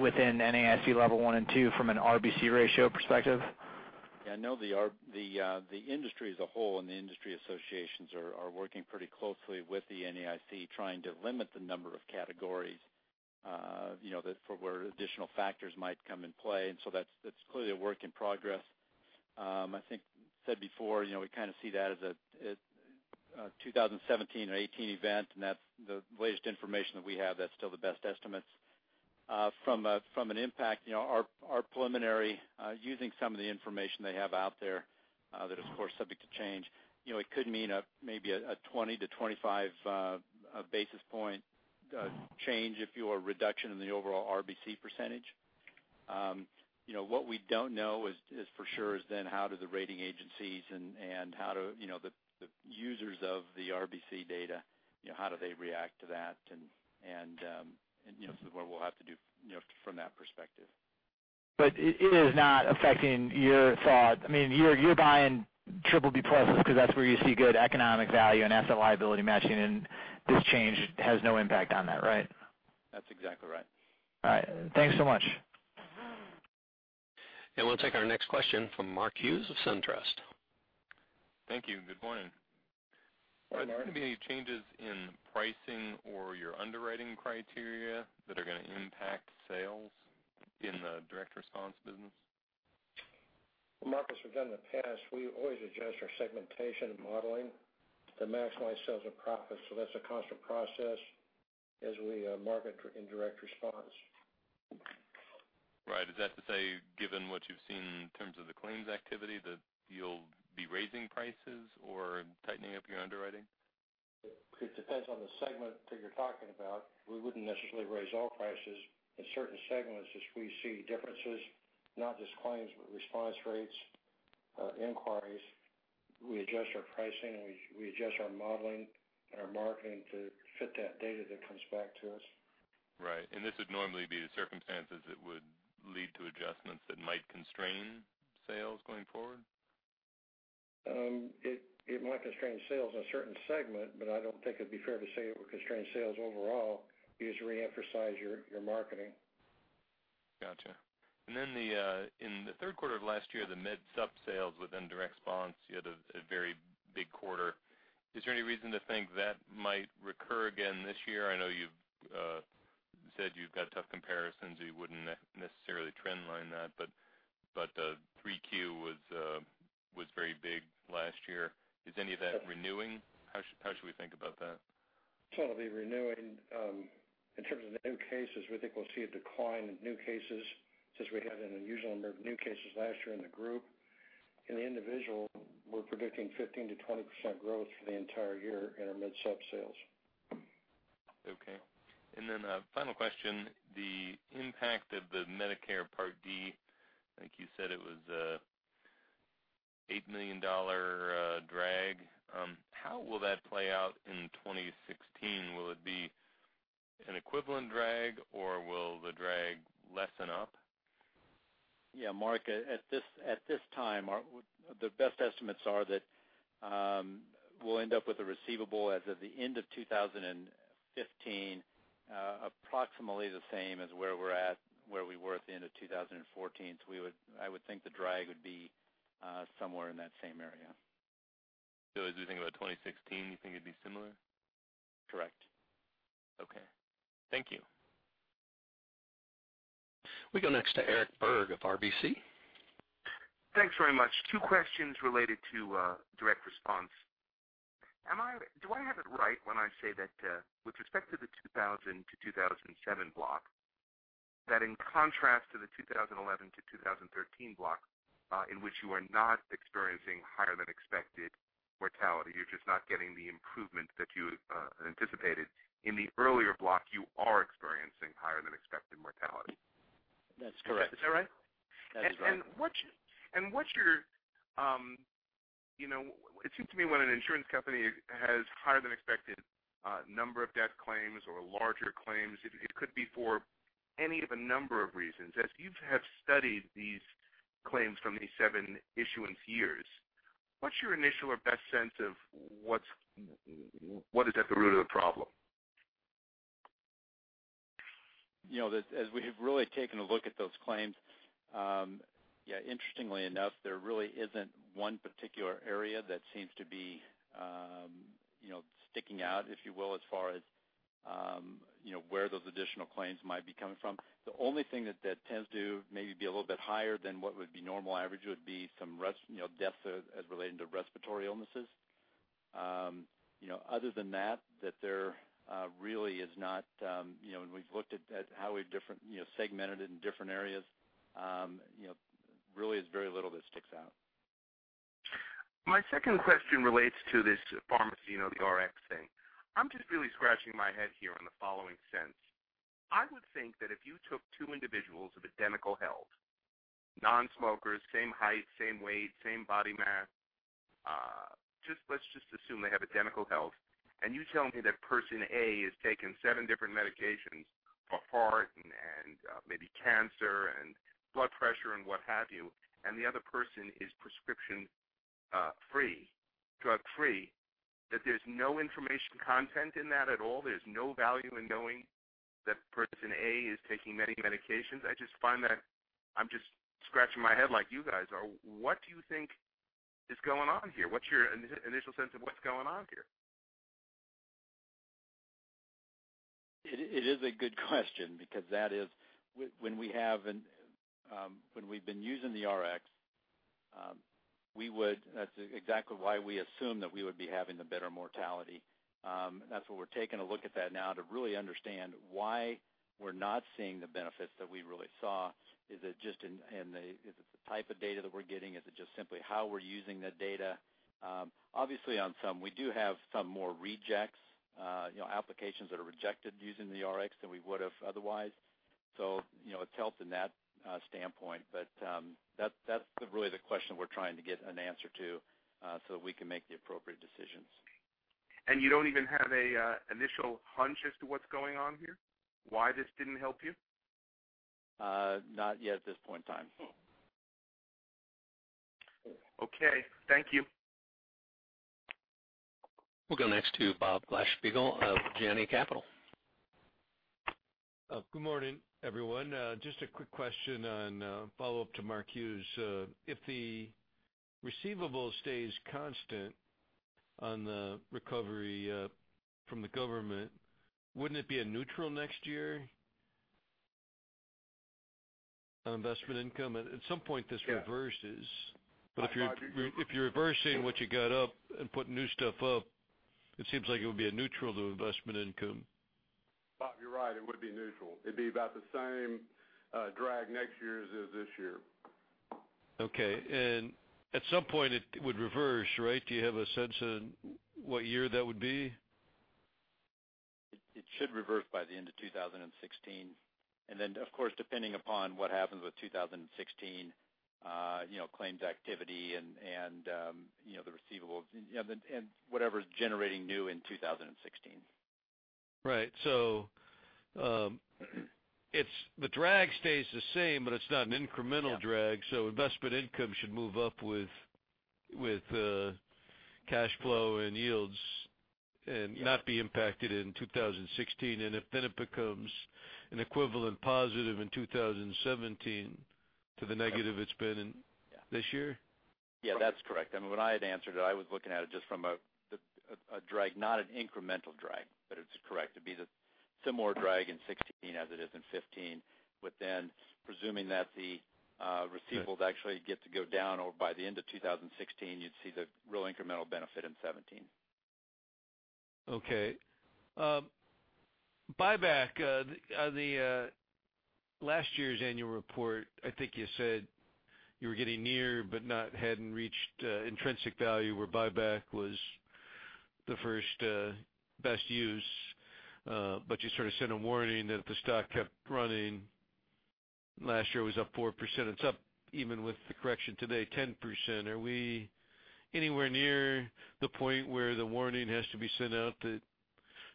within NAIC Level 1 and 2 from an RBC ratio perspective? Yeah, I know the industry as a whole and the industry associations are working pretty closely with the NAIC, trying to limit the number of categories for where additional factors might come in play. That's clearly a work in progress. I think I said before, we kind of see that as a 2017 or 2018 event, and the latest information that we have, that's still the best estimates. From an impact, our preliminary, using some of the information they have out there, that is of course subject to change, it could mean maybe a 20-25 basis point change if you will, a reduction in the overall RBC percentage. What we don't know for sure is then how do the rating agencies and how do the users of the RBC data, how do they react to that, and so what we'll have to do from that perspective. It is not affecting your thought. You're buying triple B pluses because that's where you see good economic value and asset liability matching, and this change has no impact on that, right? That's exactly right. All right. Thanks so much. We'll take our next question from Mark Hughes of SunTrust. Thank you. Good morning. Good morning. Are there going to be any changes in pricing or your underwriting criteria that are going to impact sales in the direct response business? Mark, as we've done in the past, we always adjust our segmentation and modeling to maximize sales and profits. That's a constant process as we market in direct response. Right. Is that to say, given what you've seen in terms of the claims activity, that you'll be raising prices or tightening up your underwriting? It depends on the segment that you're talking about. We wouldn't necessarily raise all prices. In certain segments, as we see differences, not just claims, but response rates, inquiries, we adjust our pricing, and we adjust our modeling and our marketing to fit that data that comes back to us. Right. This would normally be the circumstances that would lead to adjustments that might constrain sales going forward? It might constrain sales in a certain segment, but I don't think it'd be fair to say it would constrain sales overall. You just reemphasize your marketing. Got you. In the third quarter of last year, the medsup sales within direct response, you had a very big quarter. Is there any reason to think that might recur again this year? I know you've said you've got tough comparisons, so you wouldn't necessarily trend line that, but 3Q was very big last year. Is any of that renewing? How should we think about that? Some of it renewing. In terms of the new cases, we think we'll see a decline in new cases, since we had an unusual number of new cases last year in the group. In the individual, we're predicting 15%-20% growth for the entire year in our medsup sales. Okay. Then a final question, the impact of the Medicare Part D, I think you said it was a $8 million drag. How will that play out in 2016? Will it be an equivalent drag, or will the drag lessen up? Yeah, Mark, at this time, the best estimates are that we'll end up with a receivable as of the end of 2015, approximately the same as where we were at the end of 2014. I would think the drag would be somewhere in that same area. As we think about 2016, you think it'd be similar? Correct. Okay. Thank you. We go next to Eric Berg of RBC. Thanks very much. Two questions related to direct response. Do I have it right when I say that with respect to the 2000-2007 block, that in contrast to the 2011-2013 block, in which you are not experiencing higher than expected mortality, you're just not getting the improvement that you had anticipated. In the earlier block, you are experiencing higher than expected mortality? That's correct. Is that right? That's right. It seems to me when an insurance company has higher than expected number of death claims or larger claims, it could be for any of a number of reasons. As you have studied these claims from these seven issuance years, what's your initial or best sense of what is at the root of the problem? We have really taken a look at those claims, interestingly enough, there really isn't one particular area that seems to be sticking out, if you will, as far as where those additional claims might be coming from. The only thing that tends to maybe be a little bit higher than what would be normal average would be some deaths as relating to respiratory illnesses. Other than that, there really is not. We've looked at how we've segmented it in different areas. There really is very little that sticks out. My second question relates to this pharmacy, the Rx thing. I'm just really scratching my head here in the following sense. I would think that if you took two individuals of identical health, non-smokers, same height, same weight, same body mass, let's just assume they have identical health, and you tell me that person A is taking seven different medications for heart and maybe cancer and blood pressure and what have you, and the other person is prescription-free, drug-free, that there's no information content in that at all? There's no value in knowing that person A is taking many medications? I just find that I'm just scratching my head like you guys are. What do you think is going on here? What's your initial sense of what's going on here? It is a good question because when we've been using the Rx, that's exactly why we assumed that we would be having the better mortality. That's why we're taking a look at that now to really understand why we're not seeing the benefits that we really saw. Is it the type of data that we're getting? Is it just simply how we're using the data? Obviously, on some, we do have some more rejects, applications that are rejected using the Rx than we would have otherwise. It's helped in that standpoint. That's really the question we're trying to get an answer to, so that we can make the appropriate decisions. You don't even have an initial hunch as to what's going on here? Why this didn't help you? Not yet at this point in time. Okay. Thank you. We'll go next to Bob Glasspiegel of Janney Capital. Good morning, everyone. Just a quick question on follow-up to Mark Hughes. If the receivable stays constant on the recovery from the government, wouldn't it be a neutral next year? On investment income. At some point, this reverses. Yeah. If you're reversing what you got up and putting new stuff up, it seems like it would be a neutral to investment income. Bob, you're right. It wouldn't be neutral. It'd be about the same drag next year as it is this year. Okay. At some point it would reverse, right? Do you have a sense in what year that would be? It should reverse by the end of 2016. Then of course, depending upon what happens with 2016 claims activity and the receivables, and whatever's generating new in 2016. Right. The drag stays the same, but it's not an incremental drag. Yeah. Investment income should move up with cash flow and yields and not be impacted in 2016. If then it becomes an equivalent positive in 2017 to the negative it's been in this year. Yeah, that's correct. When I had answered it, I was looking at it just from a drag, not an incremental drag, but it's correct. It'd be the similar drag in 2016 as it is in 2015. Then presuming that the receivables actually get to go down or by the end of 2016, you'd see the real incremental benefit in 2017. Okay. Buyback. On last year's annual report, I think you said you were getting near, but hadn't reached intrinsic value, where buyback was the first best use. You sort of sent a warning that the stock kept running. Last year it was up 4%. It's up even with the correction today, 10%. Are we anywhere near the point where the warning has to be sent out that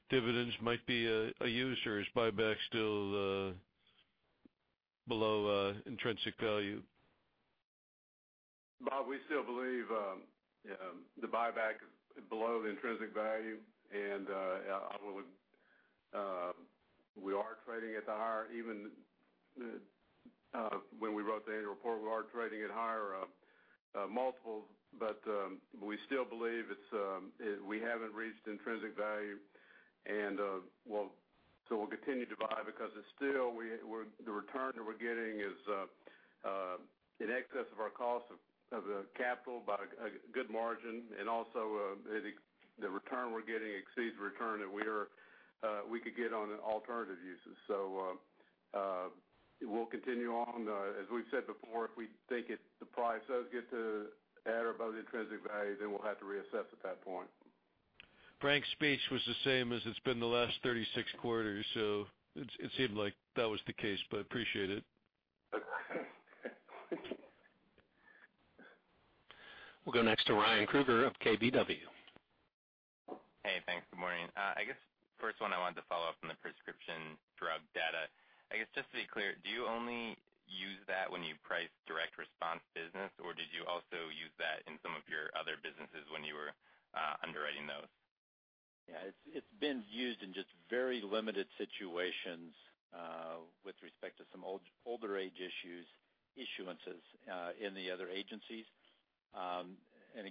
dividends might be a use, or is buyback still below intrinsic value? Bob, we still believe the buyback below the intrinsic value and we are trading at the higher even when we wrote the annual report, we are trading at higher multiples. We still believe we haven't reached intrinsic value, so we'll continue to buy because the return that we're getting is in excess of our cost of the capital by a good margin. The return we're getting exceeds the return that we could get on alternative uses. We'll continue on. As we've said before, if we think the price does get to at or above the intrinsic value, we'll have to reassess at that point. Frank's speech was the same as it's been the last 36 quarters, it seemed like that was the case, but appreciate it. We'll go next to Ryan Krueger of KBW. Hey, thanks. Good morning. I guess first one I wanted to follow up on the prescription drug data. I guess just to be clear, do you only use that when you price direct response business, or did you also use that in some of your other businesses when you were underwriting those? Yeah. It's been used in just very limited situations with respect to some older age issuances in the other agencies.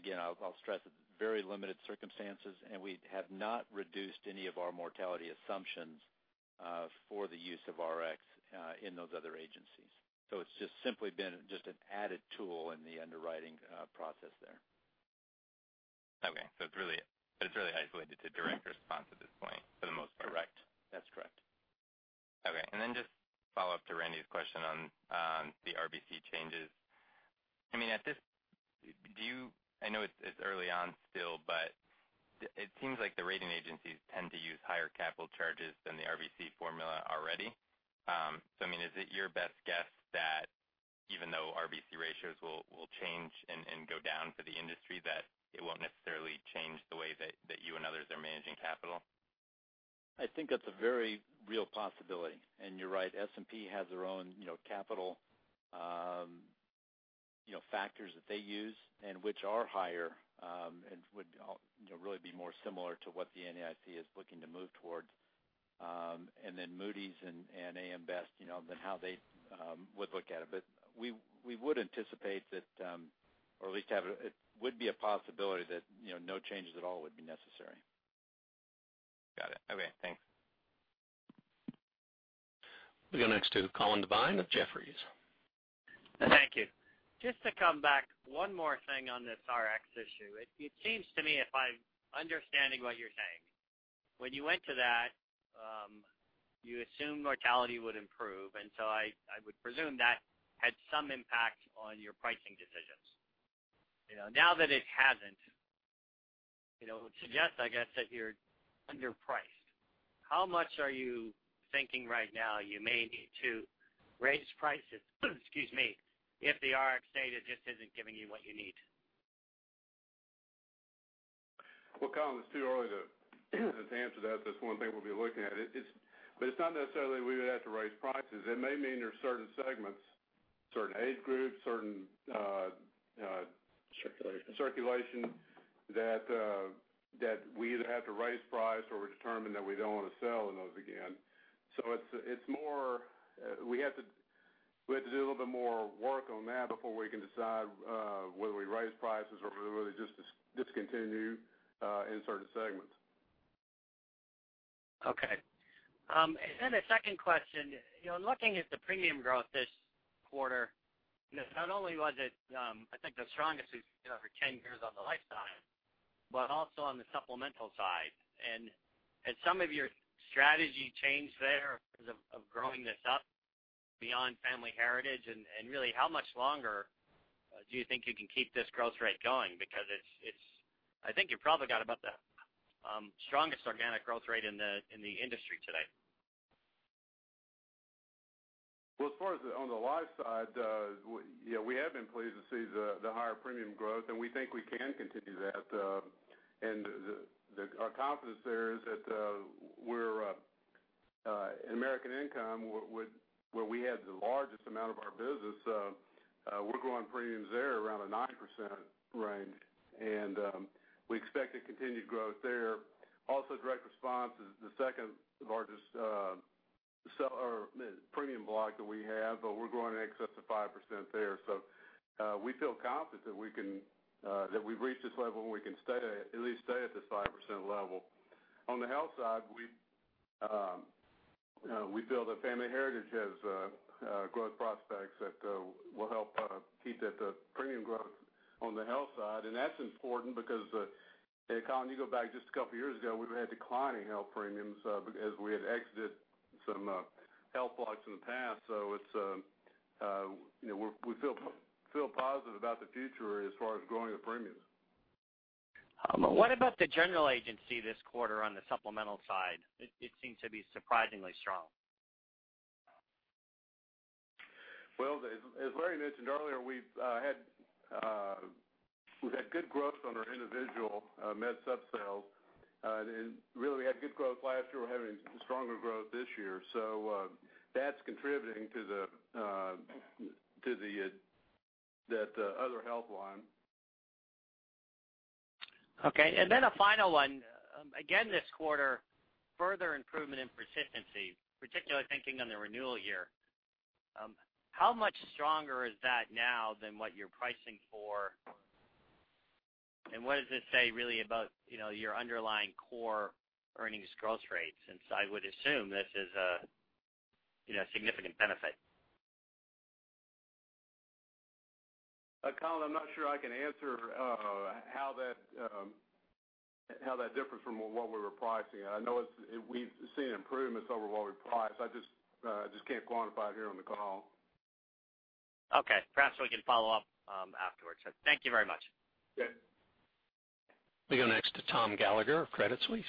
Again, I'll stress very limited circumstances, and we have not reduced any of our mortality assumptions for the use of Rx in those other agencies. It's just simply been just an added tool in the underwriting process there. Okay. It's really isolated to direct response at this point for the most part. Correct. That's correct. Okay. Just follow up to Randy Binner's question on the RBC changes. I know it's early on still, but it seems like the rating agencies tend to use higher capital charges than the RBC formula already. Is it your best guess that even though RBC ratios will change and go down for the industry, that it won't necessarily change the way that you and others are managing capital? I think that's a very real possibility. You're right, S&P has their own capital factors that they use and which are higher, and would really be more similar to what the NAIC is looking to move towards. Moody's and AM Best, then how they would look at it. We would anticipate that, or at least it would be a possibility that no changes at all would be necessary. Got it. Okay, thanks. We go next to Colin Devine with Jefferies. Thank you. Just to come back, one more thing on this Rx issue. It seems to me, if I'm understanding what you're saying, when you went to that, you assumed mortality would improve, and so I would presume that had some impact on your pricing decisions. Now that it hasn't, it would suggest, I guess, that you're underpriced. How much are you thinking right now you may need to raise prices, excuse me, if the Rx data just isn't giving you what you need? Well, Colin, it's too early to answer that. That's one thing we'll be looking at. It's not necessarily we would have to raise prices. It may mean there's certain segments, certain age groups, Circulation circulation that we either have to raise price or we're determined that we don't want to sell in those again. It's more we have to do a little bit more work on that before we can decide whether we raise prices or whether just discontinue in certain segments. Okay. The second question, looking at the premium growth this quarter, not only was it, I think the strongest we've seen over 10 years on the life side, but also on the supplemental side. Has some of your strategy changed there in terms of growing this up beyond Family Heritage? Really, how much longer do you think you can keep this growth rate going? Because I think you've probably got about the strongest organic growth rate in the industry today. As far as on the life side, we have been pleased to see the higher premium growth, and we think we can continue that. Our confidence there is that in American Income, where we have the largest amount of our business, we're growing premiums there around a 9% range. We expect a continued growth there. Also, direct response is the second-largest premium block that we have, but we're growing in excess of 5% there. We feel confident that we've reached this level, and we can at least stay at this 5% level. On the health side, we feel that Family Heritage has growth prospects that will help keep that premium growth on the health side. That's important because, hey, Colin, you go back just a couple of years ago, we had declining health premiums as we had exited some health blocks in the past. We feel positive about the future as far as growing the premiums. What about the general agency this quarter on the supplemental side? It seems to be surprisingly strong. As Larry mentioned earlier, we've had good growth on our individual Med Supp sales. Really, we had good growth last year. We're having stronger growth this year. That's contributing to the other health line. Okay. Then a final one. Again this quarter, further improvement in persistency, particularly thinking on the renewal year. How much stronger is that now than what you're pricing for? What does this say really about your underlying core earnings growth rates, since I would assume this is a significant benefit? Colin, I'm not sure I can answer how that differs from what we were pricing. I know we've seen improvements over what we priced. I just can't quantify it here on the call. Okay. Perhaps we can follow up afterwards. Thank you very much. Yeah. We go next to Thomas Gallagher of Credit Suisse.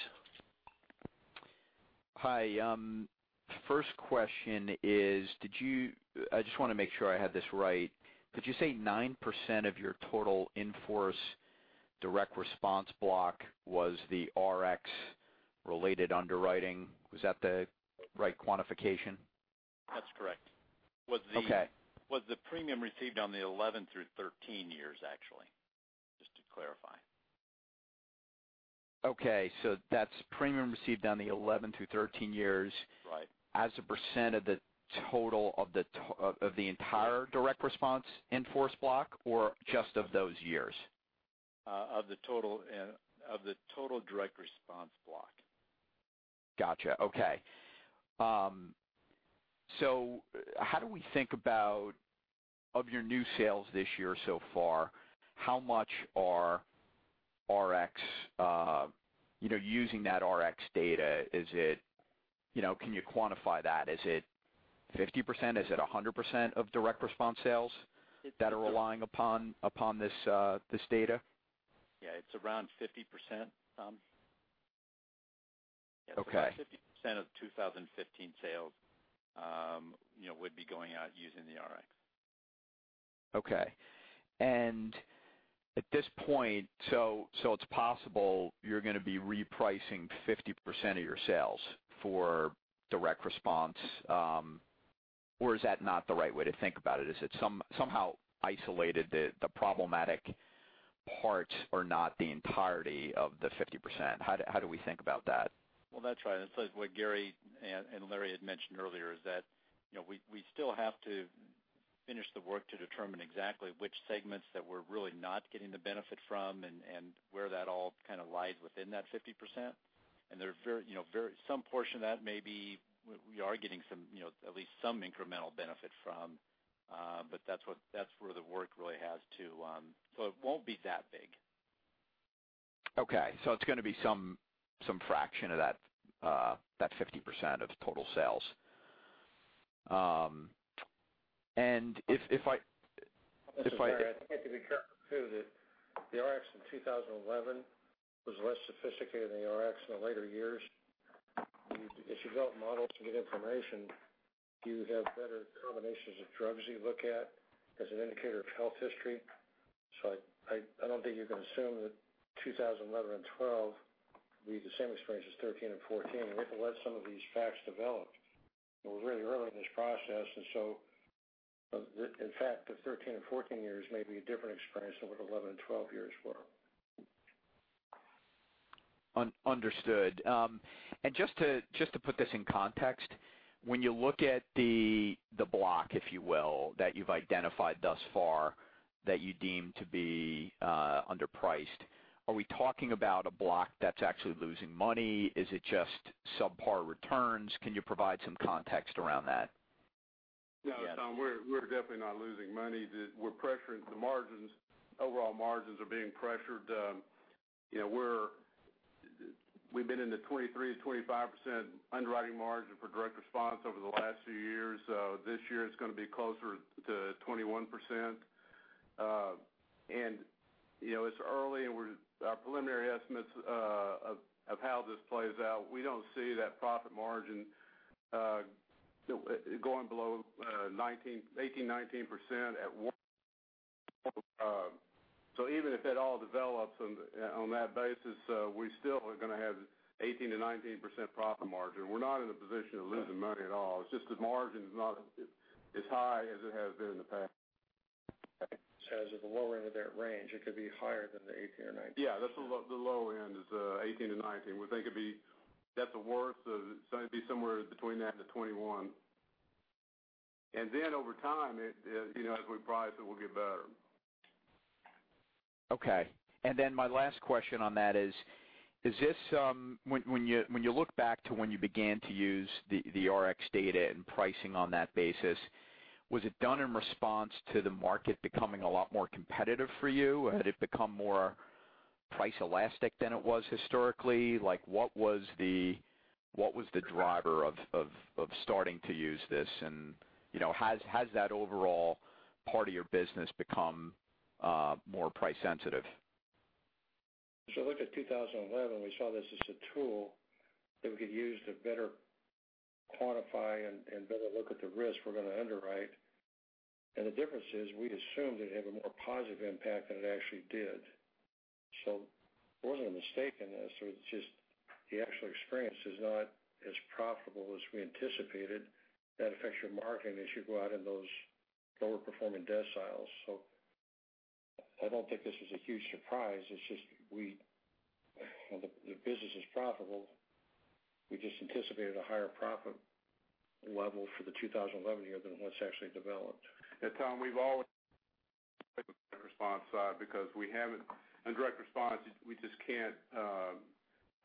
Hi. First question is, I just want to make sure I have this right. Did you say 9% of your total in-force direct response block was the Rx-related underwriting? Was that the right quantification? That's correct. Okay. Was the premium received on the 11 through 13 years, actually, just to clarify? Okay. That's premium received on the 11 through 13 years. Right as a % of the total of the entire direct response in-force block, or just of those years? Of the total direct response block. Got you. Okay. How do we think about, of your new sales this year so far, how much are using that Rx data? Can you quantify that? Is it 50%? Is it 100% of direct response sales that are relying upon this data? Yeah, it's around 50%, Tom. Okay. About 50% of 2015 sales would be going out using the Rx. Okay. At this point, it's possible you're going to be repricing 50% of your sales for direct response or is that not the right way to think about it? Is it somehow isolated that the problematic parts are not the entirety of the 50%? How do we think about that? Well, that's right. It's like what Gary and Larry had mentioned earlier, is that we still have to finish the work to determine exactly which segments that we're really not getting the benefit from, and where that all kind of lies within that 50%. Some portion of that, maybe we are getting at least some incremental benefit from. That's where the work really. It won't be that big. Okay. It's going to be some fraction of that 50% of total sales. This is Gary. I think you have to be careful too, that the Rx in 2011 was less sophisticated than the Rx in the later years. As you build models to get information, you have better combinations of drugs you look at as an indicator of health history. I don't think you can assume that 2011 and 2012 will be the same experience as 2013 and 2014. We have to let some of these facts develop. We're really early in this process. In fact, the 2013 and 2014 years may be a different experience than what 2011 and 2012 years were. Understood. Just to put this in context, when you look at the block, if you will, that you've identified thus far that you deem to be underpriced, are we talking about a block that's actually losing money? Is it just subpar returns? Can you provide some context around that? No, Tom, we're definitely not losing money. We're pressuring the margins. Overall margins are being pressured. We've been in the 23%-25% underwriting margin for direct response over the last few years. This year it's going to be closer to 21%. It's early, and our preliminary estimates of how this plays out, we don't see that profit margin going below 18%-19%. Even if it all develops on that basis, we still are going to have 18%-19% profit margin. We're not in a position of losing money at all. It's just the margin is not as high as it has been in the past. It's at the lower end of that range. It could be higher than the 18% or 19%. Yeah. That's the low end is 18%-19%. We think it'd be, at the worst, be somewhere between that and the 21%. Then over time, as we price it, we'll get better. Okay. Then my last question on that is, when you look back to when you began to use the Rx data and pricing on that basis, was it done in response to the market becoming a lot more competitive for you? Had it become more price elastic than it was historically? What was the driver of starting to use this? Has that overall part of your business become more price sensitive? As we look at 2011, we saw this as a tool that we could use to better quantify and better look at the risk we're going to underwrite. The difference is, we assumed it'd have a more positive impact than it actually did. It wasn't a mistake in this. It's just the actual experience is not as profitable as we anticipated. That affects your marketing as you go out in those lower performing deciles. I don't think this was a huge surprise, it's just the business is profitable. We just anticipated a higher profit level for the 2011 year than what's actually developed. Tom, we've always the response side because we haven't, in direct response, we just can't,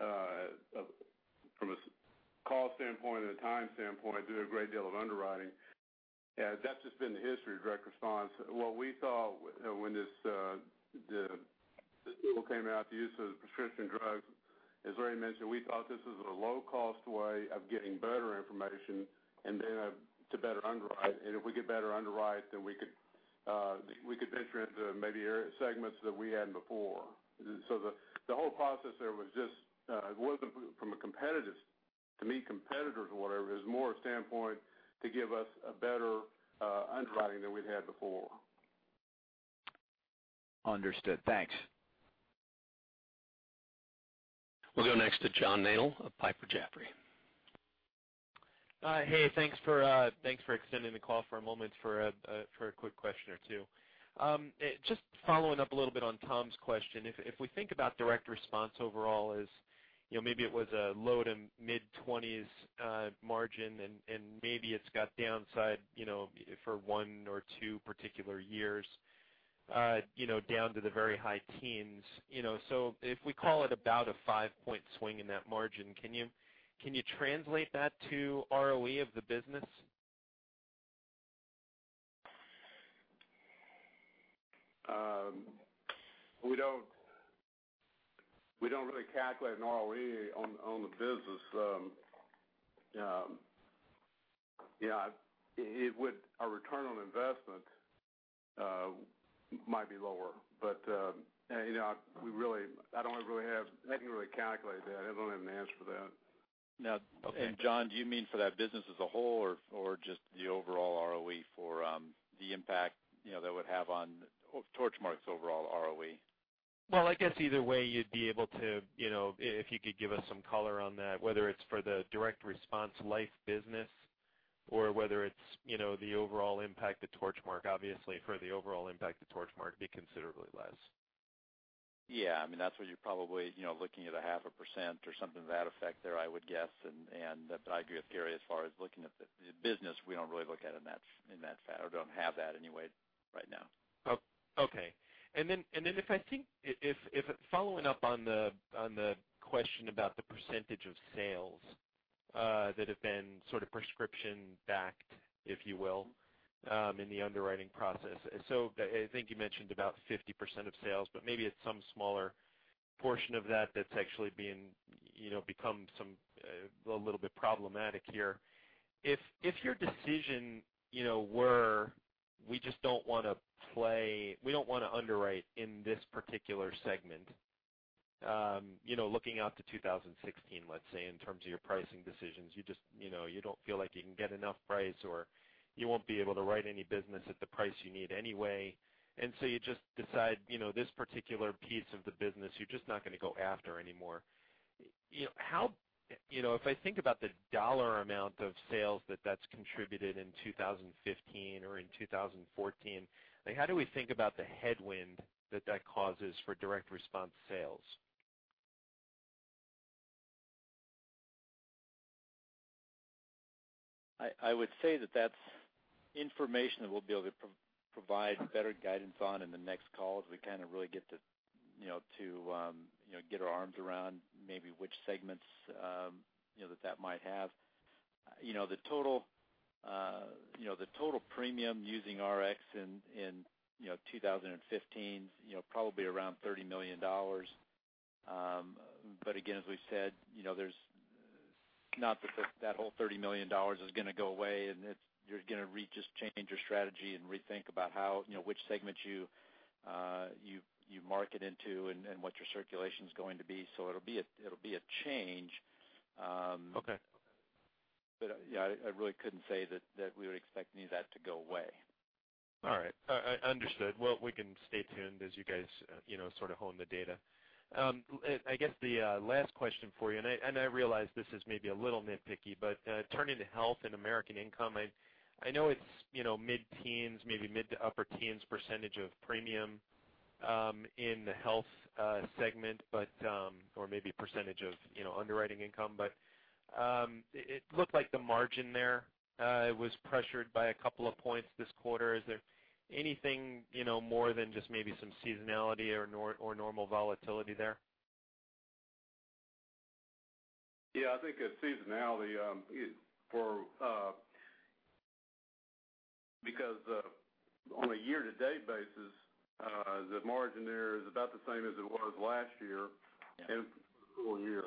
from a call standpoint and a time standpoint, do a great deal of underwriting. That's just been the history of direct response. What we saw when this tool came out, the use of prescription drugs, as Larry mentioned, we thought this was a low-cost way of getting better information then to better underwrite. If we could better underwrite, then we could venture into maybe segments that we hadn't before. The whole process there wasn't from a competitive to meet competitors or whatever, it was more a standpoint to give us a better underwriting than we'd had before. Understood. Thanks. We'll go next to John Nadel of Piper Jaffray. Hey, thanks for extending the call for a moment for a quick question or two. Just following up a little bit on Tom's question. If we think about direct response overall as maybe it was a low to mid-20s margin and maybe it's got downside for one or two particular years down to the very high teens. If we call it about a five-point swing in that margin, can you translate that to ROE of the business? We don't really calculate an ROE on the business. Our return on investment might be lower, but I don't really have anything really calculated that. I don't have an answer for that. John, do you mean for that business as a whole or just the overall ROE for the impact that would have on Torchmark's overall ROE? Either way you'd be able to, if you could give us some color on that, whether it's for the direct response life business or whether it's the overall impact to Torchmark. Obviously, for the overall impact to Torchmark, it'd be considerably less. That's what you're probably looking at a half a % or something to that effect there, I would guess. I agree with Gary as far as looking at the business. We don't really look at it in that fashion or don't have that anyway right now. If I think, following up on the question about the % of sales that have been sort of prescription backed, if you will, in the underwriting process. I think you mentioned about 50% of sales, but maybe it's some smaller portion of that that's actually become a little bit problematic here. If your decision were, we just don't want to underwrite in this particular segment looking out to 2016, let's say, in terms of your pricing decisions, you don't feel like you can get enough price or you won't be able to write any business at the price you need anyway, you just decide, this particular piece of the business, you're just not going to go after anymore. If I think about the dollar amount of sales that that's contributed in 2015 or in 2014, how do we think about the headwind that that causes for direct response sales? I would say that that's information that we'll be able to provide better guidance on in the next call, as we kind of really get our arms around maybe which segments that that might have. The total premium using Rx in 2015 is probably around $30 million. Again, as we said, not that whole $30 million is going to go away, and you're going to just change your strategy and rethink about which segment you market into and what your circulation's going to be. It'll be a change. Okay. Yeah, I really couldn't say that we would expect any of that to go away. All right. Understood. Well, we can stay tuned as you guys sort of hone the data. I guess the last question for you, and I realize this is maybe a little nitpicky, turning to health and American Income, I know it's mid-teens, maybe mid to upper teens percentage of premium in the health segment, or maybe percentage of underwriting income. It looked like the margin there was pressured by a couple of points this quarter. Is there anything more than just maybe some seasonality or normal volatility there? Yeah, I think it's seasonality. Because on a year-to-date basis, the margin there is about the same as it was last year and full year.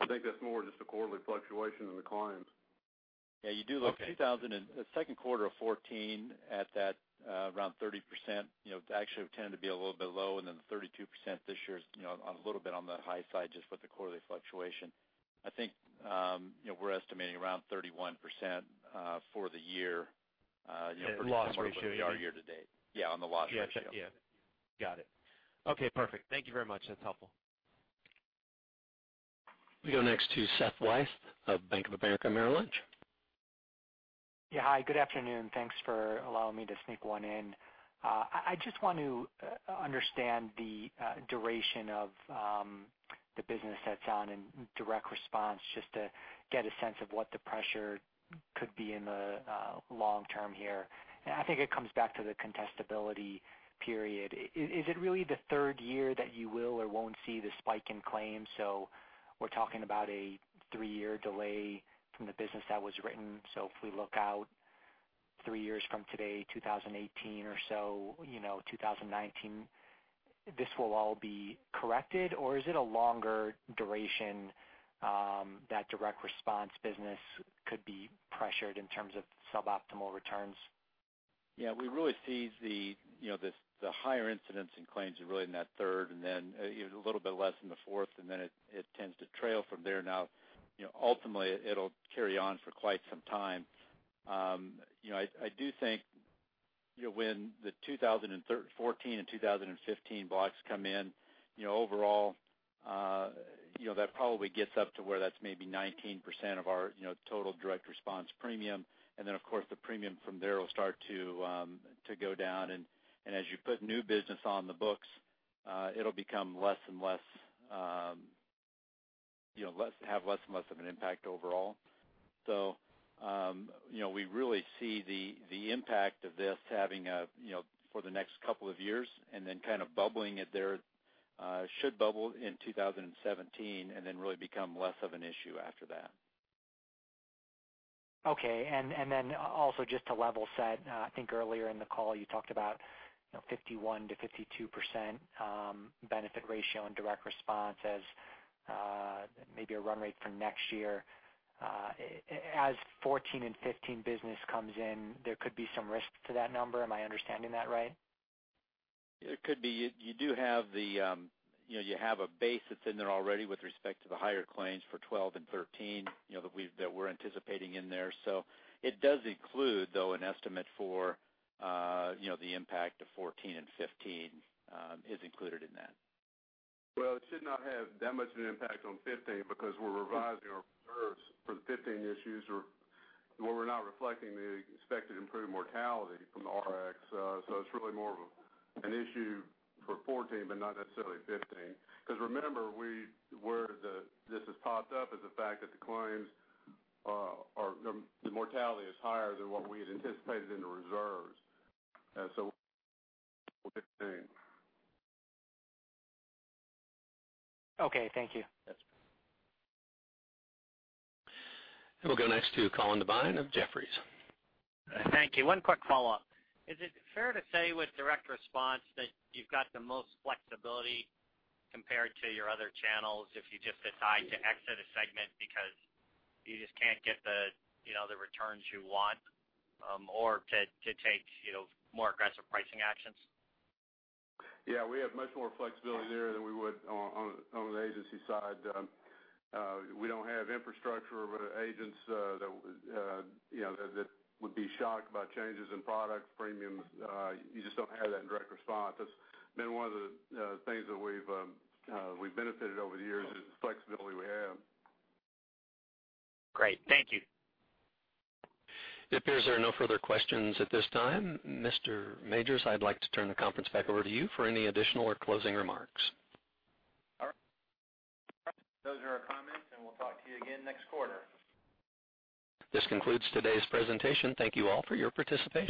I think that's more just a quarterly fluctuation in the claims. Yeah, you do. Okay. second quarter of 2014 at that around 30%, actually have tended to be a little bit low, and then the 32% this year is a little bit on the high side, just with the quarterly fluctuation. I think we're estimating around 31% for the year. The loss ratio, you mean? Yeah, on the loss ratio. Yeah. Got it. Okay, perfect. Thank you very much. That's helpful. We go next to Seth Weiss of Bank of America Merrill Lynch. Yeah, hi. Good afternoon. Thanks for allowing me to sneak one in. I just want to understand the duration of the business that's on in direct response, just to get a sense of what the pressure could be in the long term here. I think it comes back to the contestability period. Is it really the third year that you will or won't see the spike in claims? We're talking about a three-year delay from the business that was written. If we look out three years from today, 2018 or so, 2019, this will all be corrected? Is it a longer duration that direct response business could be pressured in terms of suboptimal returns? Yeah, we really see the higher incidents in claims are really in that third, then a little bit less in the fourth, then it tends to trail from there. Ultimately, it'll carry on for quite some time. I do think when the 2014 and 2015 blocks come in, overall that probably gets up to where that's maybe 19% of our total direct response premium. Of course, the premium from there will start to go down. As you put new business on the books, it'll have less and less of an impact overall. We really see the impact of this having for the next couple of years, then kind of bubbling it there. It should bubble in 2017, then really become less of an issue after that. Okay. Also just to level set, I think earlier in the call you talked about 51%-52% benefit ratio in direct response as maybe a run rate for next year. As 2014 and 2015 business comes in, there could be some risk to that number. Am I understanding that right? It could be. You do have a base that's in there already with respect to the higher claims for 2012 and 2013, that we're anticipating in there. It does include, though, an estimate for the impact of 2014 and 2015 is included in that. Well, it should not have that much of an impact on 2015 because we're revising our reserves for the 2015 issues. Well, we're not reflecting the expected improved mortality from the Rx. It's really more of an issue for 2014, but not necessarily 2015. Remember, where this has popped up is the fact that the claims, the mortality is higher than what we had anticipated in the reserves. So, 2015. Okay. Thank you. Yes. We'll go next to Colin Devine of Jefferies. Thank you. One quick follow-up. Is it fair to say with direct response that you've got the most flexibility compared to your other channels if you just decide to exit a segment because you just can't get the returns you want, or to take more aggressive pricing actions? Yeah, we have much more flexibility there than we would on the agency side. We don't have infrastructure agents that would be shocked by changes in product premiums. You just don't have that in direct response. That's been one of the things that we've benefited over the years is the flexibility we have. Great. Thank you. It appears there are no further questions at this time. Mr. Majors, I'd like to turn the conference back over to you for any additional or closing remarks. All right. Those are our comments, and we'll talk to you again next quarter. This concludes today's presentation. Thank you all for your participation.